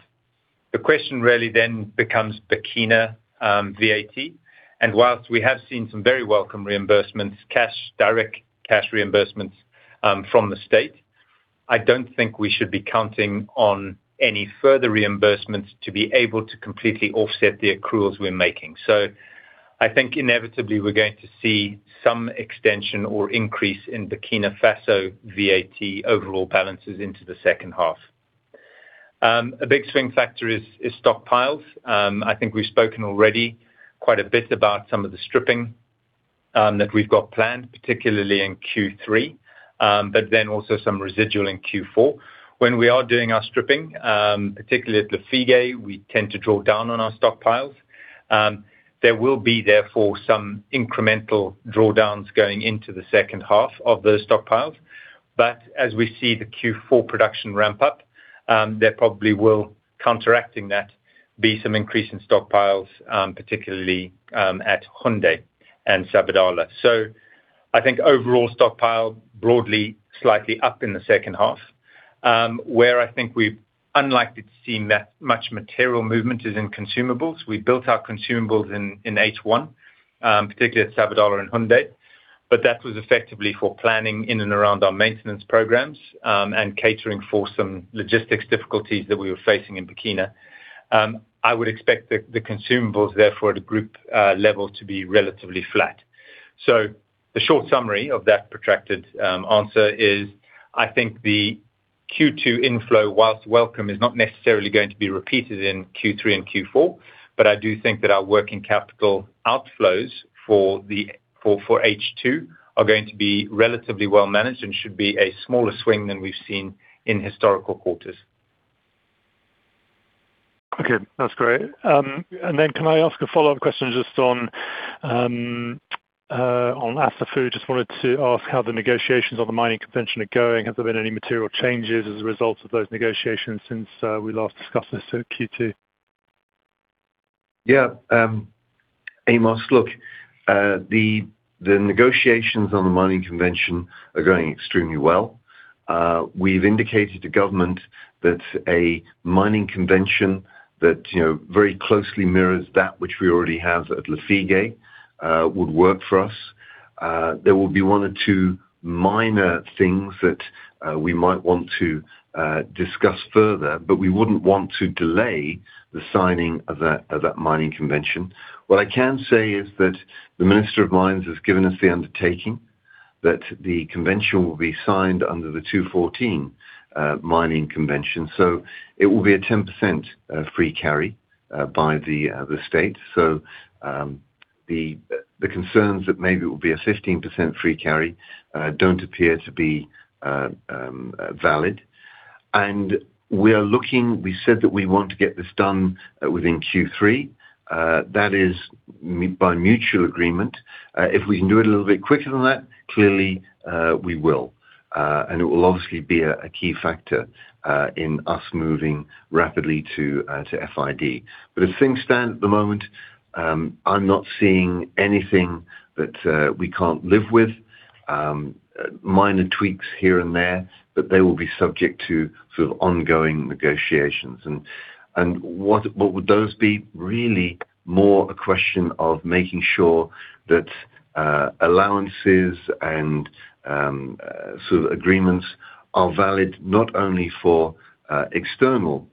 The question really then becomes Burkina VAT, whilst we have seen some very welcome reimbursements, direct cash reimbursements from the state, I don't think we should be counting on any further reimbursements to be able to completely offset the accruals we're making. I think inevitably we're going to see some extension or increase in Burkina Faso VAT overall balances into the second half. A big swing factor is stockpiles. I think we've spoken already quite a bit about some of the stripping that we've got planned, particularly in Q3, also some residual in Q4. When we are doing our stripping, particularly at Lafigué, we tend to draw down on our stockpiles. There will be, therefore, some incremental drawdowns going into the second half of those stockpiles. As we see the Q4 production ramp up, there probably will, counteracting that, be some increase in stockpiles, particularly at Koumbe and Sabodala. I think overall stockpile broadly slightly up in the second half, where I think we're unlikely to see that much material movement is in consumables. We built our consumables in H1, particularly at Sabodala and Hounde, that was effectively for planning in and around our maintenance programs, catering for some logistics difficulties that we were facing in Burkina. I would expect the consumables, therefore, at a group level to be relatively flat. The short summary of that protracted answer is, I think the Q2 inflow, whilst welcome, is not necessarily going to be repeated in Q3 and Q4, I do think that our working capital outflows for H2 are going to be relatively well managed and should be a smaller swing than we've seen in historical quarters. Okay. That's great. Then can I ask a follow-up question just on Assafou? Just wanted to ask how the negotiations on the mining convention are going. Has there been any material changes as a result of those negotiations since we last discussed this at Q2? Yeah. Amos, look, the negotiations on the mining convention are going extremely well. We've indicated to government that a mining convention that very closely mirrors that which we already have at Lafigué would work for us. There will be one or two minor things that we might want to discuss further, but we wouldn't want to delay the signing of that mining convention. What I can say is that the Minister of Mines has given us the undertaking that the convention will be signed under the 2014 Mining Convention. It will be a 10% free carry by the state. The concerns that maybe it will be a 15% free carry don't appear to be valid. We are looking, we said that we want to get this done within Q3, that is by mutual agreement. If we can do it a little bit quicker than that, clearly, we will. It will obviously be a key factor in us moving rapidly to FID. As things stand at the moment, I'm not seeing anything that we can't live with. Minor tweaks here and there, they will be subject to sort of ongoing negotiations. What would those be? Really more a question of making sure that allowances and sort of agreements are valid not only for external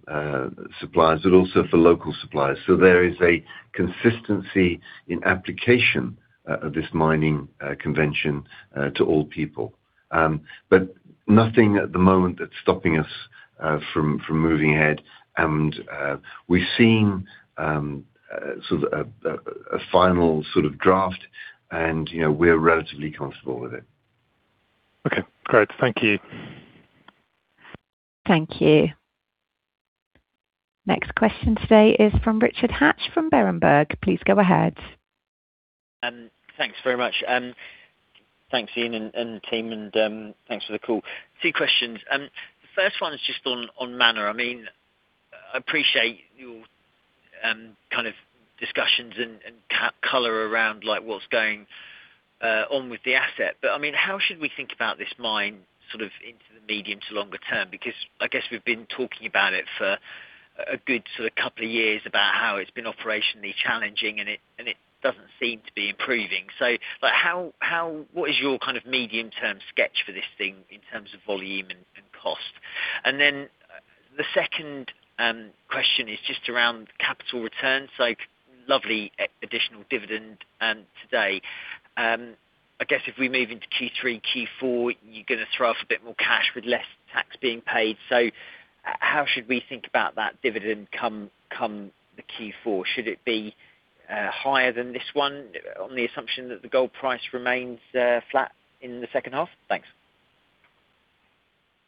suppliers but also for local suppliers. There is a consistency in application of this mining convention to all people. Nothing at the moment that's stopping us from moving ahead. We've seen a final sort of draft, and we're relatively comfortable with it. Okay, great. Thank you. Thank you. Next question today is from Richard Hatch from Berenberg. Please go ahead. Thanks very much. Thanks, Ian and team, and thanks for the call. Two questions. The first one is just on Mana. I appreciate your kind of discussions and color around what's going on with the asset. How should we think about this mine sort of into the medium to longer term? I guess we've been talking about it for a good sort of couple of years about how it's been operationally challenging and it doesn't seem to be improving. What is your kind of medium-term sketch for this thing in terms of volume and cost? The second question is just around capital returns. Lovely additional dividend today. I guess if we move into Q3, Q4, you're going to throw off a bit more cash with less tax being paid. How should we think about that dividend come the Q4? Should it be higher than this one on the assumption that the gold price remains flat in the second half? Thanks.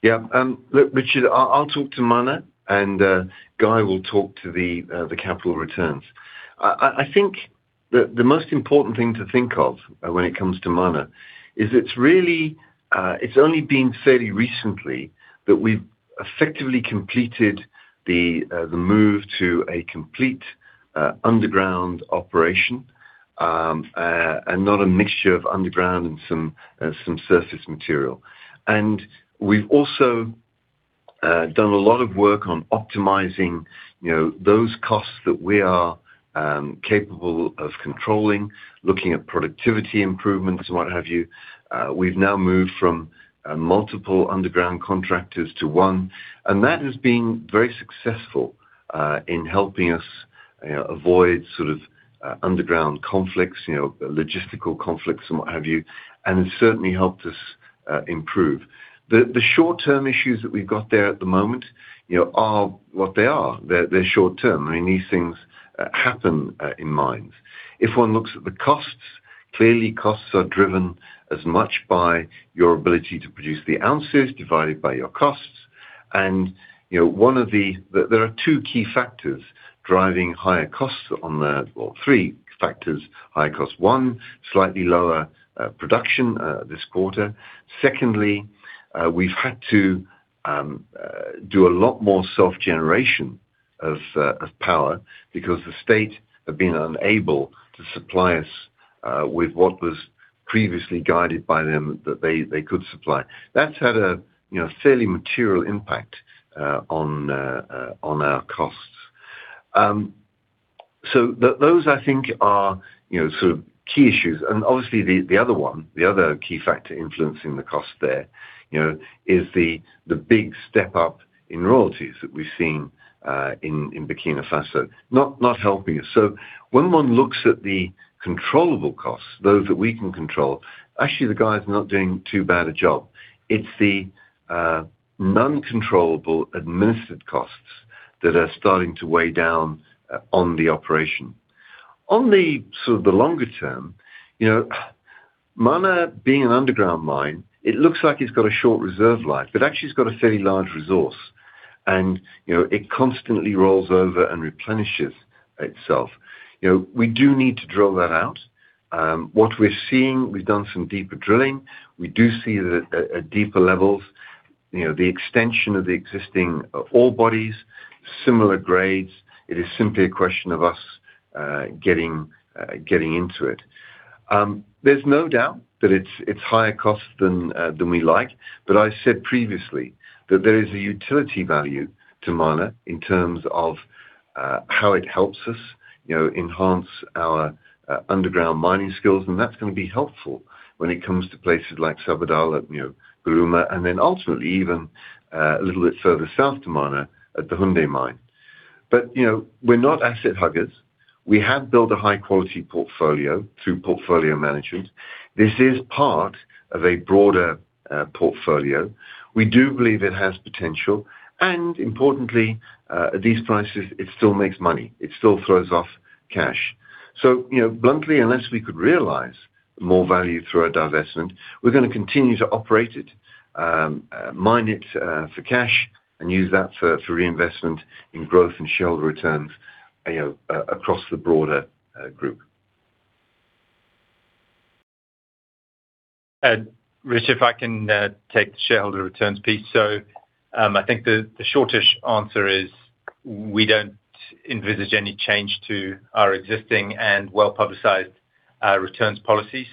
Yeah. Look, Richard, I'll talk to Mana, Guy will talk to the capital returns. I think that the most important thing to think of when it comes to Mana is it's only been fairly recently that we've effectively completed the move to a complete underground operation, not a mixture of underground and some surface material. We've also done a lot of work on optimizing those costs that we are capable of controlling, looking at productivity improvements and what have you. We've now moved from multiple underground contractors to one, and that has been very successful in helping us avoid sort of underground conflicts, logistical conflicts and what have you. It certainly helped us improve. The short-term issues that we've got there at the moment are what they are. They're short-term. These things happen in mines. If one looks at the costs, clearly costs are driven as much by your ability to produce the ounces divided by your costs. There are two key factors driving higher costs on the, or three factors, higher cost. One, slightly lower production this quarter. Secondly, we've had to do a lot more self-generation of power because the state have been unable to supply us with what was previously guided by them that they could supply. That's had a fairly material impact on our costs. Those, I think, are sort of key issues. Obviously the other one, the other key factor influencing the cost there, is the big step up in royalties that we've seen in Burkina Faso. Not helping us. When one looks at the controllable costs, those that we can control, actually Guy's not doing too bad a job. It's the non-controllable administered costs that are starting to weigh down on the operation. On the sort of the longer term, Mana being an underground mine, it looks like it's got a short reserve life, but actually it's got a fairly large resource and it constantly rolls over and replenishes itself. We do need to drill that out. What we're seeing, we've done some deeper drilling. We do see at deeper levels, the extension of the existing ore bodies, similar grades. It is simply a question of us getting into it. There's no doubt that it's higher cost than we like. I said previously that there is a utility value to Mana in terms of how it helps us enhance our underground mining skills, and that's going to be helpful when it comes to places like Sabodala, Goulouma, and then ultimately even a little bit further south to Mana at the Houndé mine. We're not asset huggers. We have built a high-quality portfolio through portfolio management. This is part of a broader portfolio. We do believe it has potential, and importantly, at these prices, it still makes money. It still throws off cash. Bluntly, unless we could realize more value through our divestment, we're going to continue to operate it, mine it for cash and use that for reinvestment in growth and shareholder returns across the broader group. Rich, if I can take the shareholder returns piece. I think the shortest answer is we don't envisage any change to our existing and well-publicized returns policy.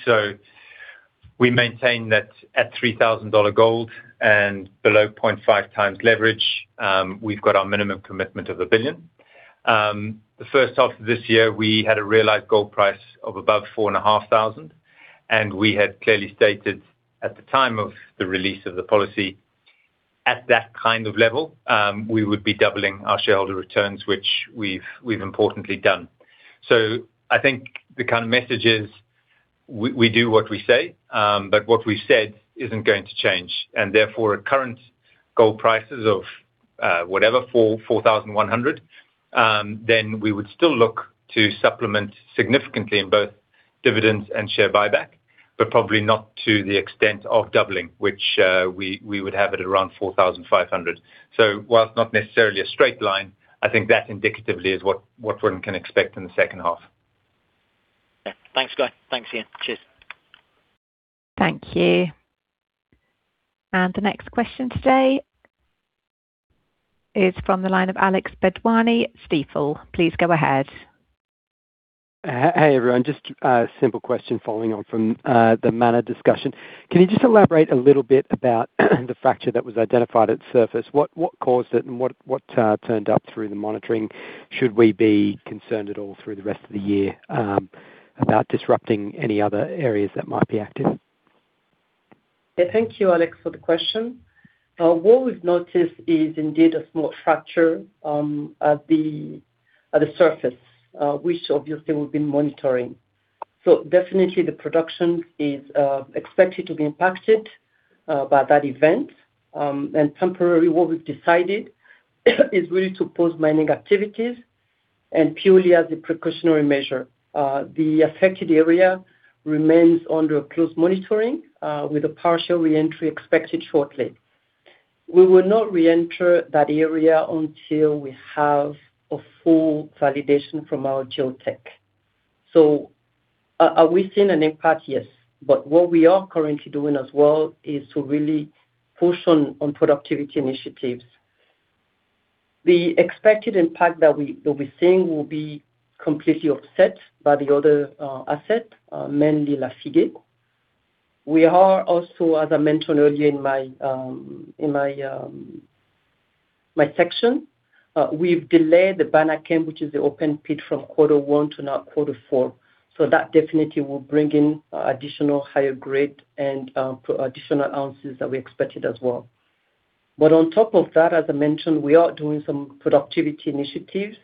We maintain that at $3,000 gold and below 0.5x leverage, we've got our minimum commitment of $1 billion. The first half of this year, we had a realized gold price of above $4,500, and we had clearly stated at the time of the release of the policy, at that kind of level, we would be doubling our shareholder returns, which we've importantly done. I think the kind of message is, we do what we say, what we said isn't going to change. Therefore, at current gold prices of, whatever, $4,100, we would still look to supplement significantly in both dividends and share buyback, probably not to the extent of doubling, which, we would have it around $4,500. Whilst not necessarily a straight line, I think that indicatively is what one can expect in the second half. Thanks, Guy. Thanks, Ian. Cheers. Thank you. The next question today is from the line of Alex Bedwany, Stifel. Please go ahead. Hey, everyone. Just a simple question following on from the Mana discussion. Can you just elaborate a little bit about the fracture that was identified at surface? What caused it and what turned up through the monitoring? Should we be concerned at all through the rest of the year about disrupting any other areas that might be active? Thank you, Alex, for the question. What we've noticed is indeed a small fracture at the surface, which obviously we've been monitoring. Definitely the production is expected to be impacted by that event. Temporarily what we've decided is really to pause mining activities and purely as a precautionary measure. The affected area remains under close monitoring, with a partial reentry expected shortly. We will not reenter that area until we have a full validation from our geotech. Are we seeing an impact? Yes. What we are currently doing as well is to really push on productivity initiatives. The expected impact that we'll be seeing will be completely offset by the other asset, mainly Lafigué. We are also, as I mentioned earlier in my section, we've delayed the Banakem, which is the open pit from quarter one to now quarter four. That definitely will bring in additional higher grade and additional ounces that we expected as well. On top of that, as I mentioned, we are doing some productivity initiatives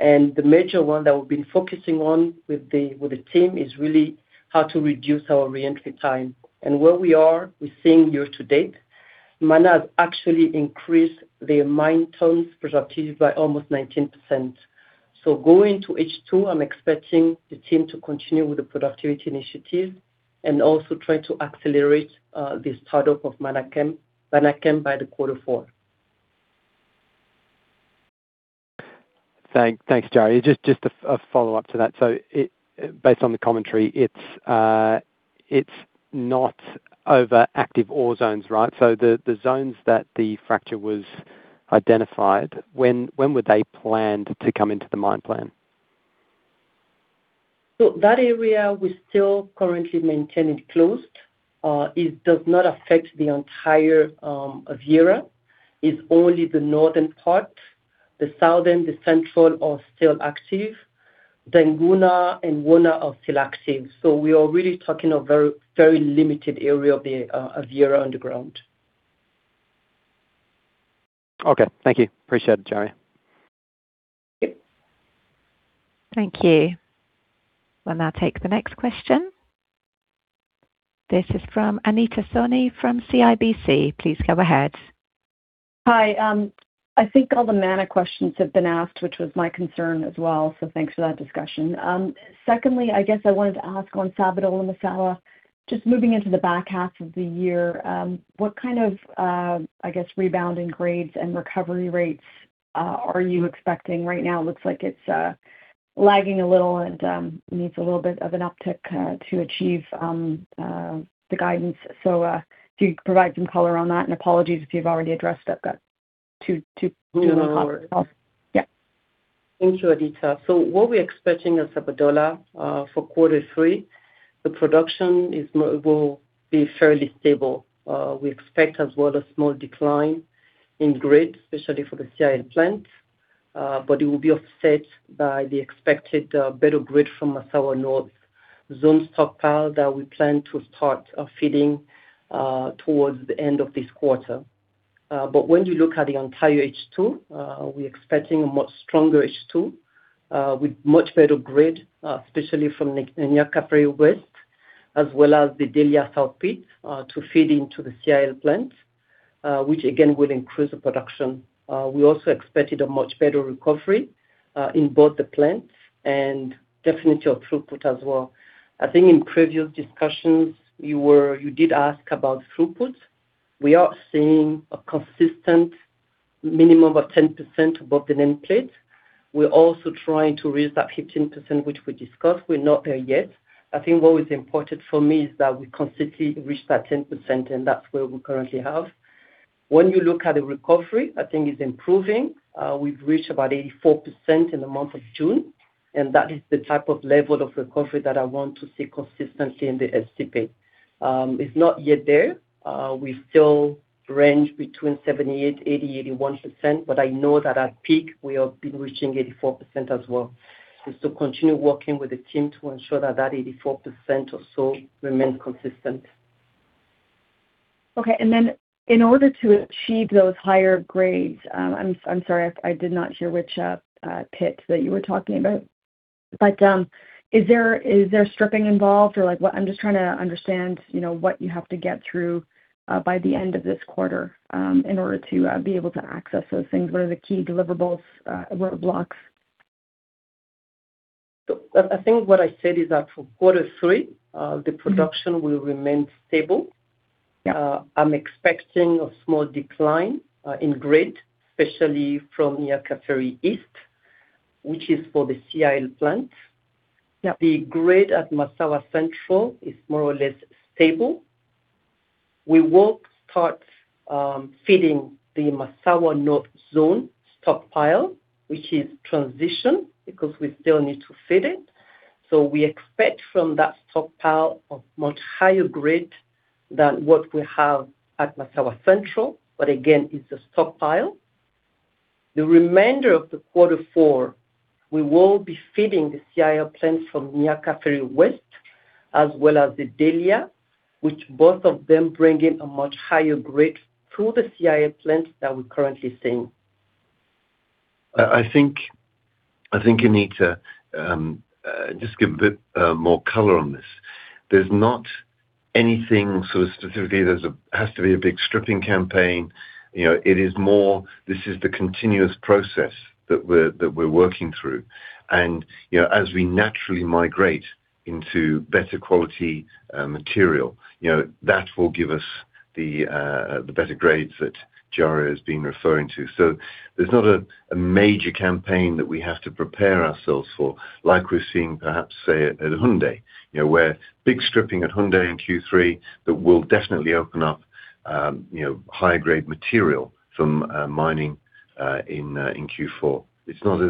and the major one that we've been focusing on with the team is really how to reduce our reentry time. Where we are, we're seeing year to date, Mana has actually increased their mine tones productivity by almost 19%. Going to H2, I'm expecting the team to continue with the productivity initiative and also try to accelerate this start-up of Banakem by the quarter four. Thanks, Djaria. Just a follow-up to that. Based on the commentary, it's not over active ore zones, right? The zones that the fracture was identified, when were they planned to come into the mine plan? That area, we're still currently maintaining closed. It does not affect the entire of Ity. It's only the northern part. The southern, the central are still active. Daapleu and Wona are still active. We are really talking a very limited area of Ity underground. Okay. Thank you. Appreciate it, Djaria. Okay. Thank you. We'll now take the next question. This is from Anita Soni from CIBC. Please go ahead. Hi. I think all the Mana questions have been asked, which was my concern as well, so thanks for that discussion. Secondly, I guess I wanted to ask on Sabodala and Massawa, just moving into the back half of the year, what kind of, I guess, rebound in grades and recovery rates are you expecting right now? It looks like it's lagging a little and needs a little bit of an uptick to achieve the guidance. Do you provide some color on that? Apologies if you've already addressed that. No worries. Yeah. Thank you, Anita. What we're expecting at Sabodala, for quarter 3, the production will be fairly stable. We expect as well a small decline in grade, especially for the CIL plant. It will be offset by the expected better grade from Massawa North zones stockpile that we plan to start feeding towards the end of this quarter. When you look at the entire H2, we're expecting a much stronger H2, with much better grade, especially from Niakafiri West as well as the Delya South pit to feed into the CIL plant, which again will increase the production. We also expected a much better recovery in both the plants and definitely our throughput as well. I think in previous discussions, you did ask about throughput. We are seeing a consistent minimum of 10% above the nameplate. We're also trying to raise that 15%, which we discussed. We're not there yet. I think what was important for me is that we consistently reach that 10%, and that's where we currently have. When you look at the recovery, I think it's improving. We've reached about 84% in the month of June, and that is the type of level of recovery that I want to see consistently in the CIL. It's not yet there. We still range between 78%, 80%, 81%, but I know that at peak, we have been reaching 84% as well. We still continue working with the team to ensure that that 84% or so remains consistent. Okay. In order to achieve those higher grades, I'm sorry, I did not hear which pit that you were talking about, but is there stripping involved or I'm just trying to understand what you have to get through by the end of this quarter in order to be able to access those things. What are the key deliverables, roadblocks? I think what I said is that for Q3, the production will remain stable. Yeah. I'm expecting a small decline in grade, especially from Niakafiri East, which is for the CIL plant. Yeah. The grade at Massawa Central is more or less stable. We will start feeding the Massawa North Zone stockpile, which is transition because we still need to feed it. We expect from that stockpile a much higher grade than what we have at Massawa Central. Again, it's a stockpile. The remainder of the Q4, we will be feeding the CIL plant from Niakafiri West as well as the Delya, which both of them bring in a much higher grade through the CIL plant than we're currently seeing. I think you need to just give a bit more color on this. There's not anything specifically there has to be a big stripping campaign. It is more, this is the continuous process that we're working through. As we naturally migrate into better quality material, that will give us the better grades that Djariat has been referring to. There's not a major campaign that we have to prepare ourselves for, like we're seeing perhaps say, at Houndé, where big stripping at Houndé in Q3, that will definitely open up higher grade material from mining in Q4. It's not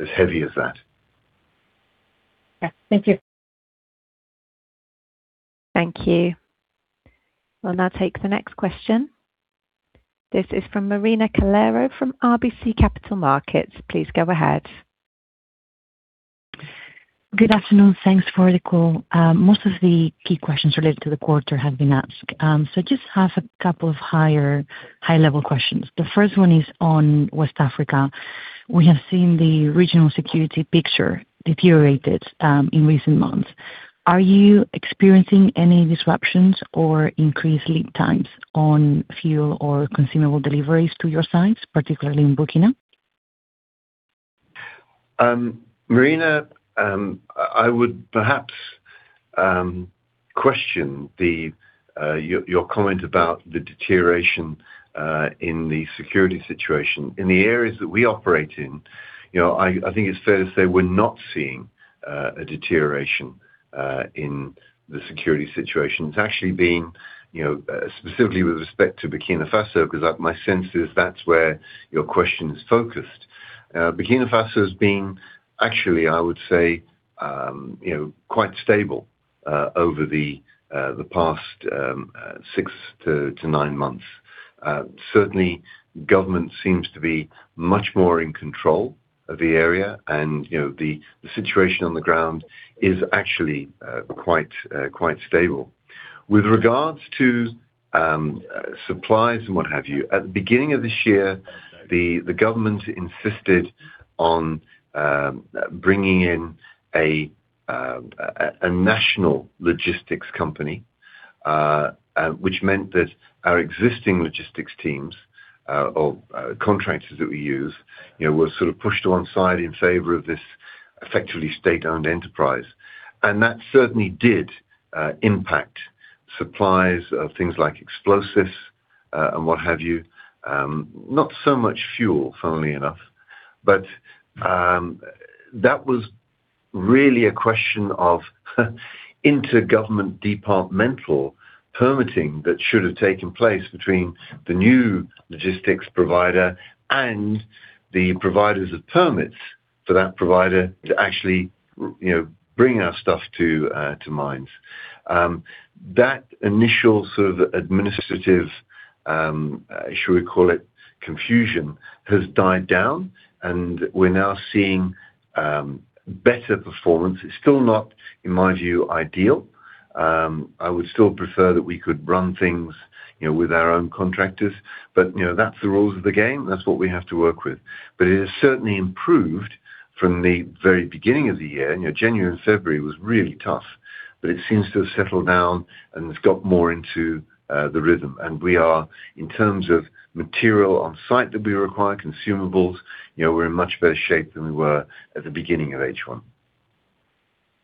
as heavy as that. Yeah. Thank you. Thank you. We'll now take the next question. This is from Marina Calero from RBC Capital Markets. Please go ahead. Good afternoon. Thanks for the call. Most of the key questions related to the quarter have been asked. Just have a couple of high-level questions. The first one is on West Africa. We have seen the regional security picture deteriorated in recent months. Are you experiencing any disruptions or increased lead times on fuel or consumable deliveries to your sites, particularly in Burkina? Marina, I would perhaps question your comment about the deterioration in the security situation. In the areas that we operate in, I think it's fair to say we're not seeing a deterioration in the security situation. It's actually been, specifically with respect to Burkina Faso, because my sense is that's where your question is focused. Burkina Faso has been actually, I would say, quite stable over the past six to nine months. Certainly, government seems to be much more in control of the area and the situation on the ground is actually quite stable. With regards to supplies and what have you, at the beginning of this year, the government insisted on bringing in a national logistics company, which meant that our existing logistics teams or contractors that we use, were sort of pushed to one side in favor of this effectively state-owned enterprise. That certainly did impact supplies of things like explosives, and what have you. Not so much fuel, funnily enough, but that was really a question of inter-government departmental permitting that should have taken place between the new logistics provider and the providers of permits for that provider to actually bring our stuff to mines. That initial sort of administrative, should we call it, confusion, has died down and we're now seeing better performance. It's still not, in my view, ideal I would still prefer that we could run things with our own contractors, but that's the rules of the game. That's what we have to work with. It has certainly improved from the very beginning of the year. January and February was really tough, but it seems to have settled down. We've got more into the rhythm and we are, in terms of material on site that we require, consumables, we're in much better shape than we were at the beginning of H1.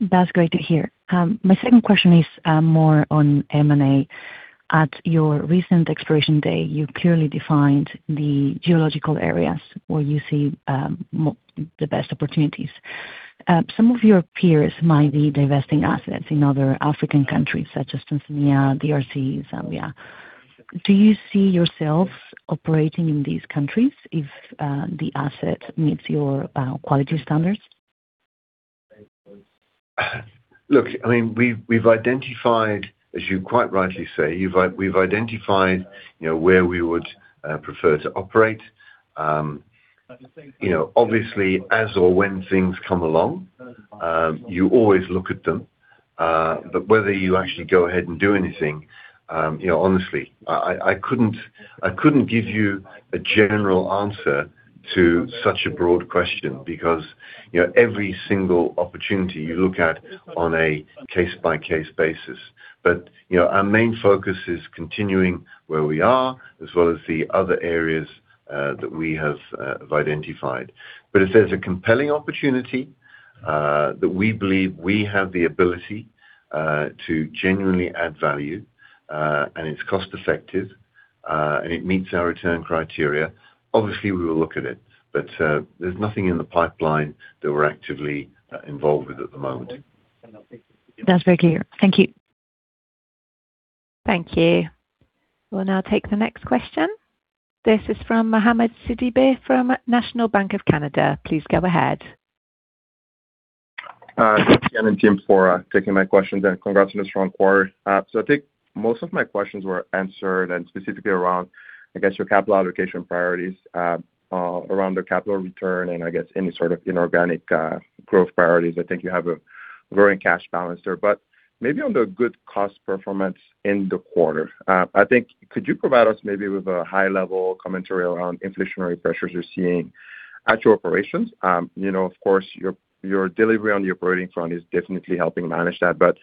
That's great to hear. My second question is more on M&A. At your recent exploration day, you clearly defined the geological areas where you see the best opportunities. Some of your peers might be divesting assets in other African countries such as Tanzania, DRC, Zambia. Do you see yourself operating in these countries if the asset meets your quality standards? Look, we've identified, as you quite rightly say, where we would prefer to operate. Obviously, as or when things come along, you always look at them. Whether you actually go ahead and do anything, honestly, I couldn't give you a general answer to such a broad question because every single opportunity you look at on a case-by-case basis. Our main focus is continuing where we are as well as the other areas that we have identified. If there's a compelling opportunity that we believe we have the ability to genuinely add value, and it's cost-effective, and it meets our return criteria, obviously we will look at it. There's nothing in the pipeline that we're actively involved with at the moment. That's very clear. Thank you. Thank you. We'll now take the next question. This is from Mohamed Sidibe from National Bank of Canada. Please go ahead. Thanks again and team for taking my questions and congrats on a strong quarter. I think most of my questions were answered and specifically around, I guess your capital allocation priorities, around the capital return and I guess any sort of inorganic growth priorities. I think you have a growing cash balance there, but maybe on the good cost performance in the quarter, could you provide us maybe with a high-level commentary around inflationary pressures you're seeing at your operations? Of course, your delivery on the operating front is definitely helping manage that, but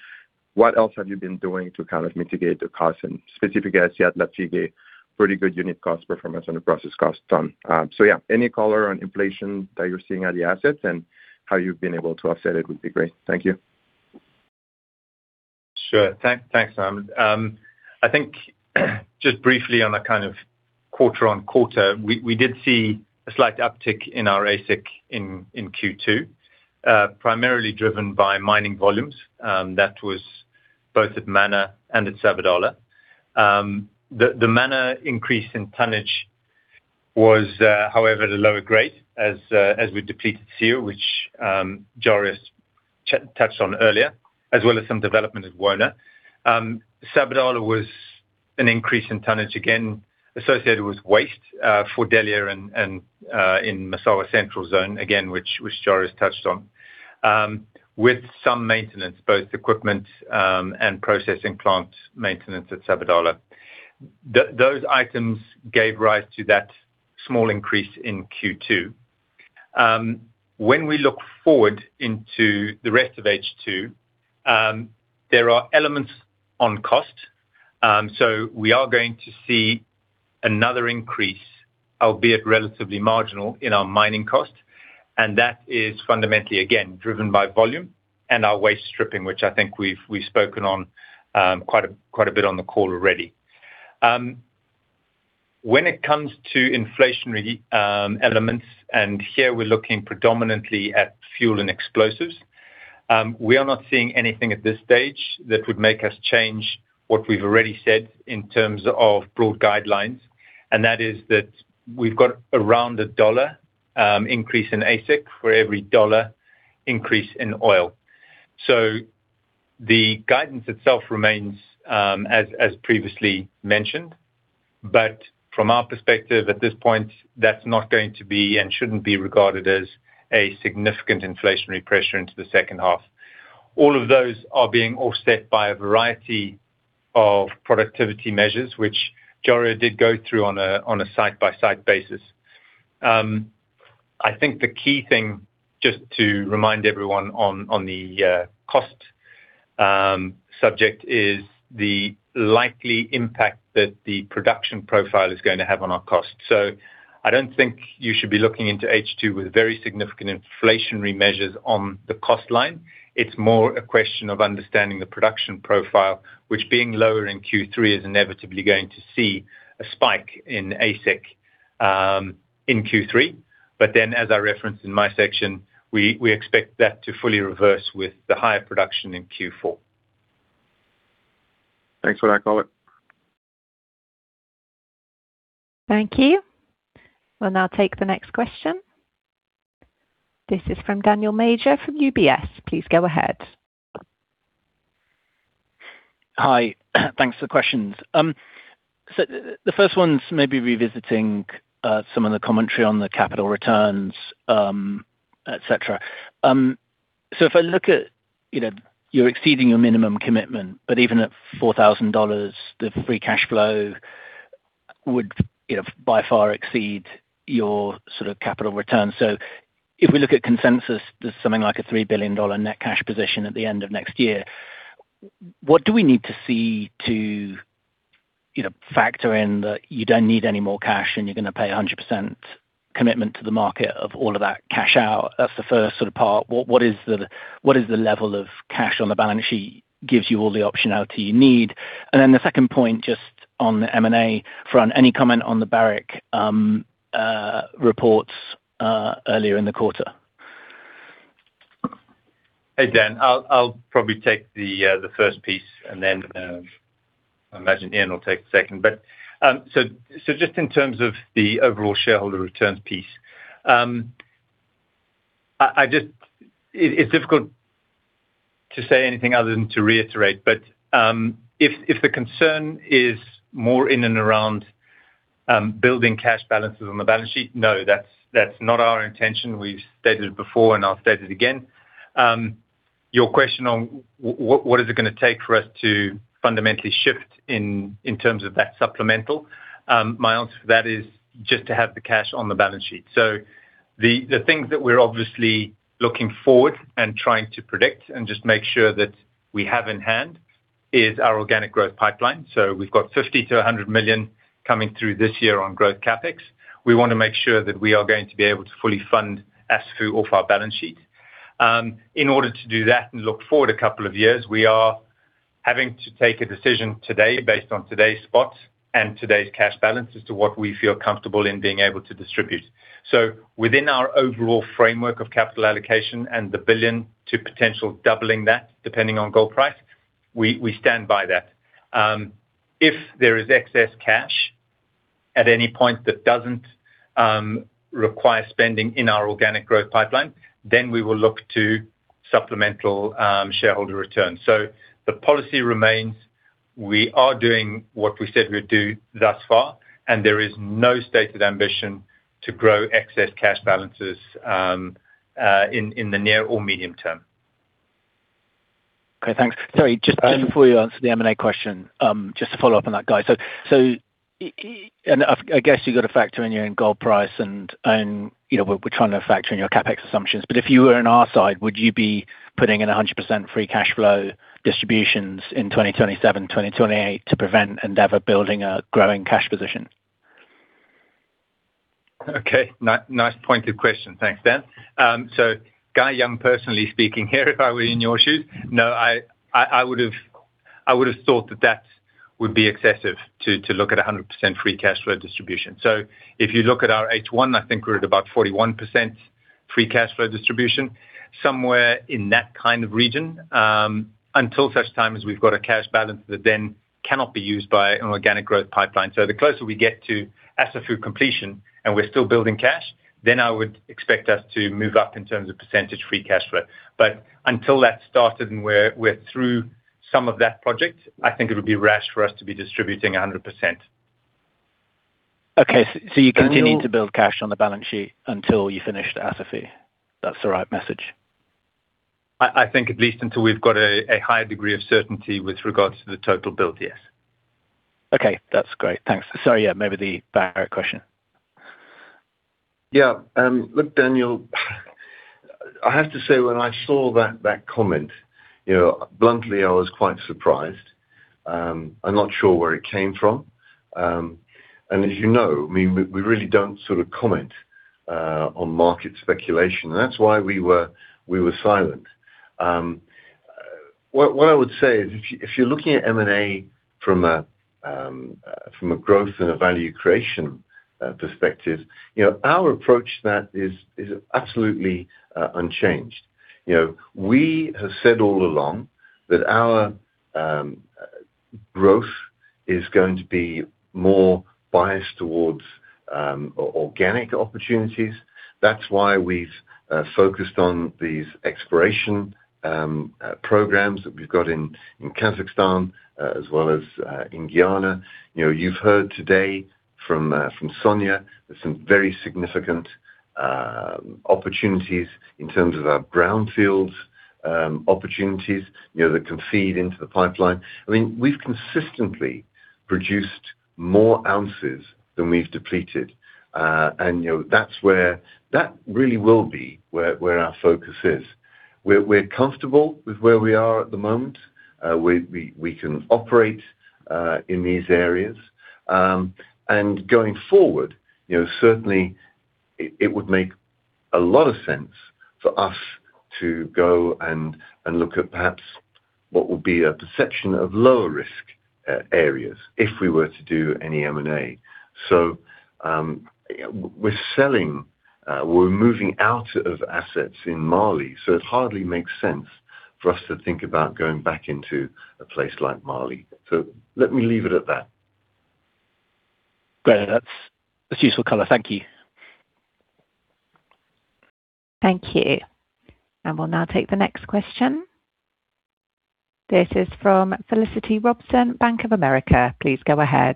what else have you been doing to kind of mitigate the cost and specifically I see at Lafigué, pretty good unit cost performance on the process cost ton. Yeah, any color on inflation that you're seeing at the assets and how you've been able to offset it would be great. Thank you. Thanks, Mohamed. I think just briefly on a kind of quarter-on-quarter, we did see a slight uptick in our AISC in Q2, primarily driven by mining volumes. That was both at Mana and at Sabodala. The Mana increase in tonnage was, however, at a lower grade as we depleted Siou, which Djariat touched on earlier, as well as some development at Wona. Sabodala was an increase in tonnage again associated with waste for Delya and in Massawa Central Zone, again, which Djariat touched on, with some maintenance, both equipment, and processing plant maintenance at Sabodala. Those items gave rise to that small increase in Q2. When we look forward into the rest of H2, there are elements on cost. We are going to see another increase, albeit relatively marginal in our mining cost, and that is fundamentally, again, driven by volume and our waste stripping, which I think we've spoken on quite a bit on the call already. When it comes to inflationary elements, and here we're looking predominantly at fuel and explosives, we are not seeing anything at this stage that would make us change what we've already said in terms of broad guidelines, and that is that we've got around a $1 increase in AISC for every $1 increase in oil. The guidance itself remains, as previously mentioned, but from our perspective at this point, that's not going to be and shouldn't be regarded as a significant inflationary pressure into the second half. All of those are being offset by a variety of productivity measures, which Djariat did go through on a site-by-site basis. I think the key thing, just to remind everyone on the cost subject is the likely impact that the production profile is going to have on our cost. I don't think you should be looking into H2 with very significant inflationary measures on the cost line. It's more a question of understanding the production profile, which being lower in Q3 is inevitably going to see a spike in AISC in Q3. As I referenced in my section, we expect that to fully reverse with the higher production in Q4. Thanks for that, got it. Thank you. We'll now take the next question. This is from Daniel Major from UBS. Please go ahead. Hi. Thanks for the questions. The first one's maybe revisiting some of the commentary on the capital returns, et cetera. If I look at you're exceeding your minimum commitment, but even at $4,000, the Free Cash Flow would by far exceed your sort of capital return. If we look at consensus, there's something like a $3 billion net cash position at the end of next year. What do we need to see to factor in that you don't need any more cash and you're going to pay 100% commitment to the market of all of that cash out? That's the first sort of part. What is the level of cash on the balance sheet gives you all the optionality you need? And then the second point, just on the M&A front, any comment on the Barrick reports earlier in the quarter? Hey, Dan. I'll probably take the first piece, and then I imagine Ian will take the second. Just in terms of the overall shareholder returns piece, it's difficult to say anything other than to reiterate. If the concern is more in and around building cash balances on the balance sheet, no, that's not our intention. We've stated it before and I'll state it again. Your question on what is it going to take for us to fundamentally shift in terms of that supplemental? My answer to that is just to have the cash on the balance sheet. The things that we're obviously looking forward and trying to predict and just make sure that we have in hand is our organic growth pipeline. We've got $50 million-$100 million coming through this year on growth CapEx. We want to make sure that we are going to be able to fully fund Assafou off our balance sheet. In order to do that and look forward a couple of years, we are having to take a decision today based on today's spot and today's cash balance as to what we feel comfortable in being able to distribute. Within our overall framework of capital allocation and the $1 billion to potential doubling that depending on gold price, we stand by that. If there is excess cash at any point that doesn't require spending in our organic growth pipeline, we will look to supplemental shareholder returns. The policy remains, we are doing what we said we'd do thus far, and there is no stated ambition to grow excess cash balances in the near or medium term. Okay, thanks. Sorry, just before you answer the M&A question, just to follow up on that, Guy. I guess you've got to factor in your own gold price and we're trying to factor in your CapEx assumptions, but if you were on our side, would you be putting in 100% free cash flow distributions in 2027, 2028 to prevent Endeavour building a growing cash position? Okay. Nice pointed question. Thanks, Dan. Guy Young personally speaking here if I were in your shoes. No, I would have thought that that would be excessive to look at 100% free cash flow distribution. If you look at our H1, I think we're at about 41% free cash flow distribution. Somewhere in that kind of region, until such time as we've got a cash balance that then cannot be used by an organic growth pipeline. The closer we get to Assafou completion and we're still building cash, then I would expect us to move up in terms of percentage free cash flow. Until that's started and we're through some of that project, I think it would be rash for us to be distributing 100%. Okay. You continue- We will- to build cash on the balance sheet until you finish the Assafou. That's the right message? I think at least until we've got a higher degree of certainty with regards to the total build, yes. Okay. That's great. Thanks. Sorry, yeah, maybe the Barrick question. Yeah. Look, Daniel, I have to say when I saw that comment, bluntly I was quite surprised. I'm not sure where it came from. As you know, we really don't sort of comment on market speculation and that's why we were silent. What I would say is if you're looking at M&A from a growth and a value creation perspective, our approach to that is absolutely unchanged. We have said all along that our growth is going to be more biased towards organic opportunities. That's why we've focused on these exploration programs that we've got in Kazakhstan as well as in Guyana. You've heard today from Sonia there's some very significant opportunities in terms of our greenfield opportunities that can feed into the pipeline. We've consistently produced more ounces than we've depleted. That really will be where our focus is. We're comfortable with where we are at the moment. We can operate in these areas. Going forward, certainly it would make a lot of sense for us to go and look at perhaps what would be a perception of lower risk areas if we were to do any M&A. So we're selling, we're moving out of assets in Mali, so it hardly makes sense for us to think about going back into a place like Mali. Let me leave it at that. Great. That's useful color. Thank you. Thank you. We'll now take the next question. This is from Felicity Robson, Bank of America. Please go ahead.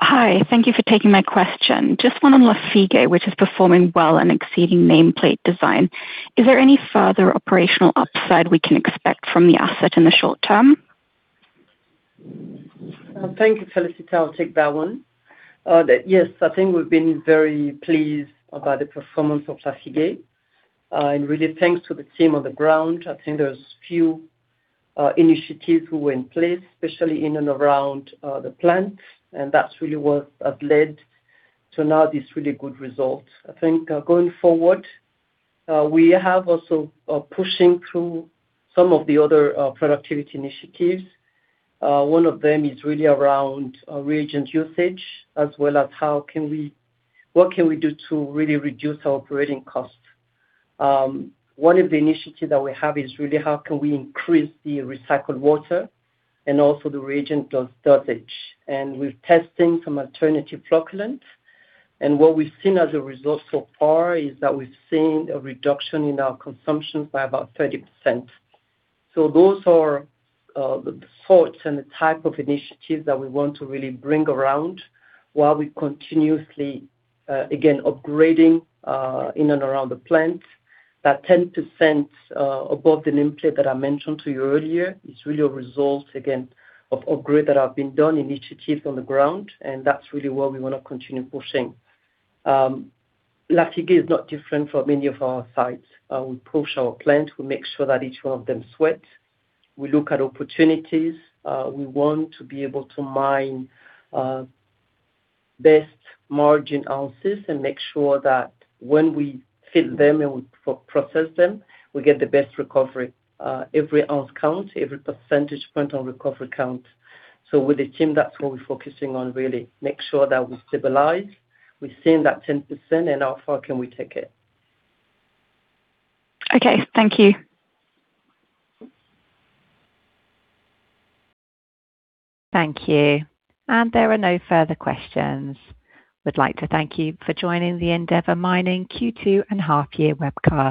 Hi. Thank you for taking my question. Just one on Lafigué, which is performing well and exceeding nameplate design. Is there any further operational upside we can expect from the asset in the short term? Thank you, Felicity. I'll take that one. I think we've been very pleased about the performance of Lafigué, and really thanks to the team on the ground. I think there's few initiatives were in place, especially in and around the plant, and that's really what have led to now this really good result. I think going forward, we have also pushing through some of the other productivity initiatives. One of them is really around reagent usage, as well as what can we do to really reduce our operating costs. One of the initiatives that we have is really how can we increase the recycled water and also the reagent storage. We're testing some alternative flocculant. What we've seen as a result so far is that we've seen a reduction in our consumption by about 30%. Those are the thoughts and the type of initiatives that we want to really bring around while we continuously, again, upgrading in and around the plant. That 10% above the nameplate that I mentioned to you earlier, it's really a result, again, of upgrade that have been done, initiatives on the ground, and that's really where we want to continue pushing. Lafigué is not different from any of our sites. We push our plant, we make sure that each one of them sweat. We look at opportunities. We want to be able to mine best margin ounces and make sure that when we fit them and we process them, we get the best recovery. Every ounce count, every percentage point on recovery count. With the team, that's what we're focusing on, really, make sure that we stabilize. We've seen that 10%, how far can we take it. Okay. Thank you. Thank you. There are no further questions. We'd like to thank you for joining the Endeavour Mining Q2 and half year webcast.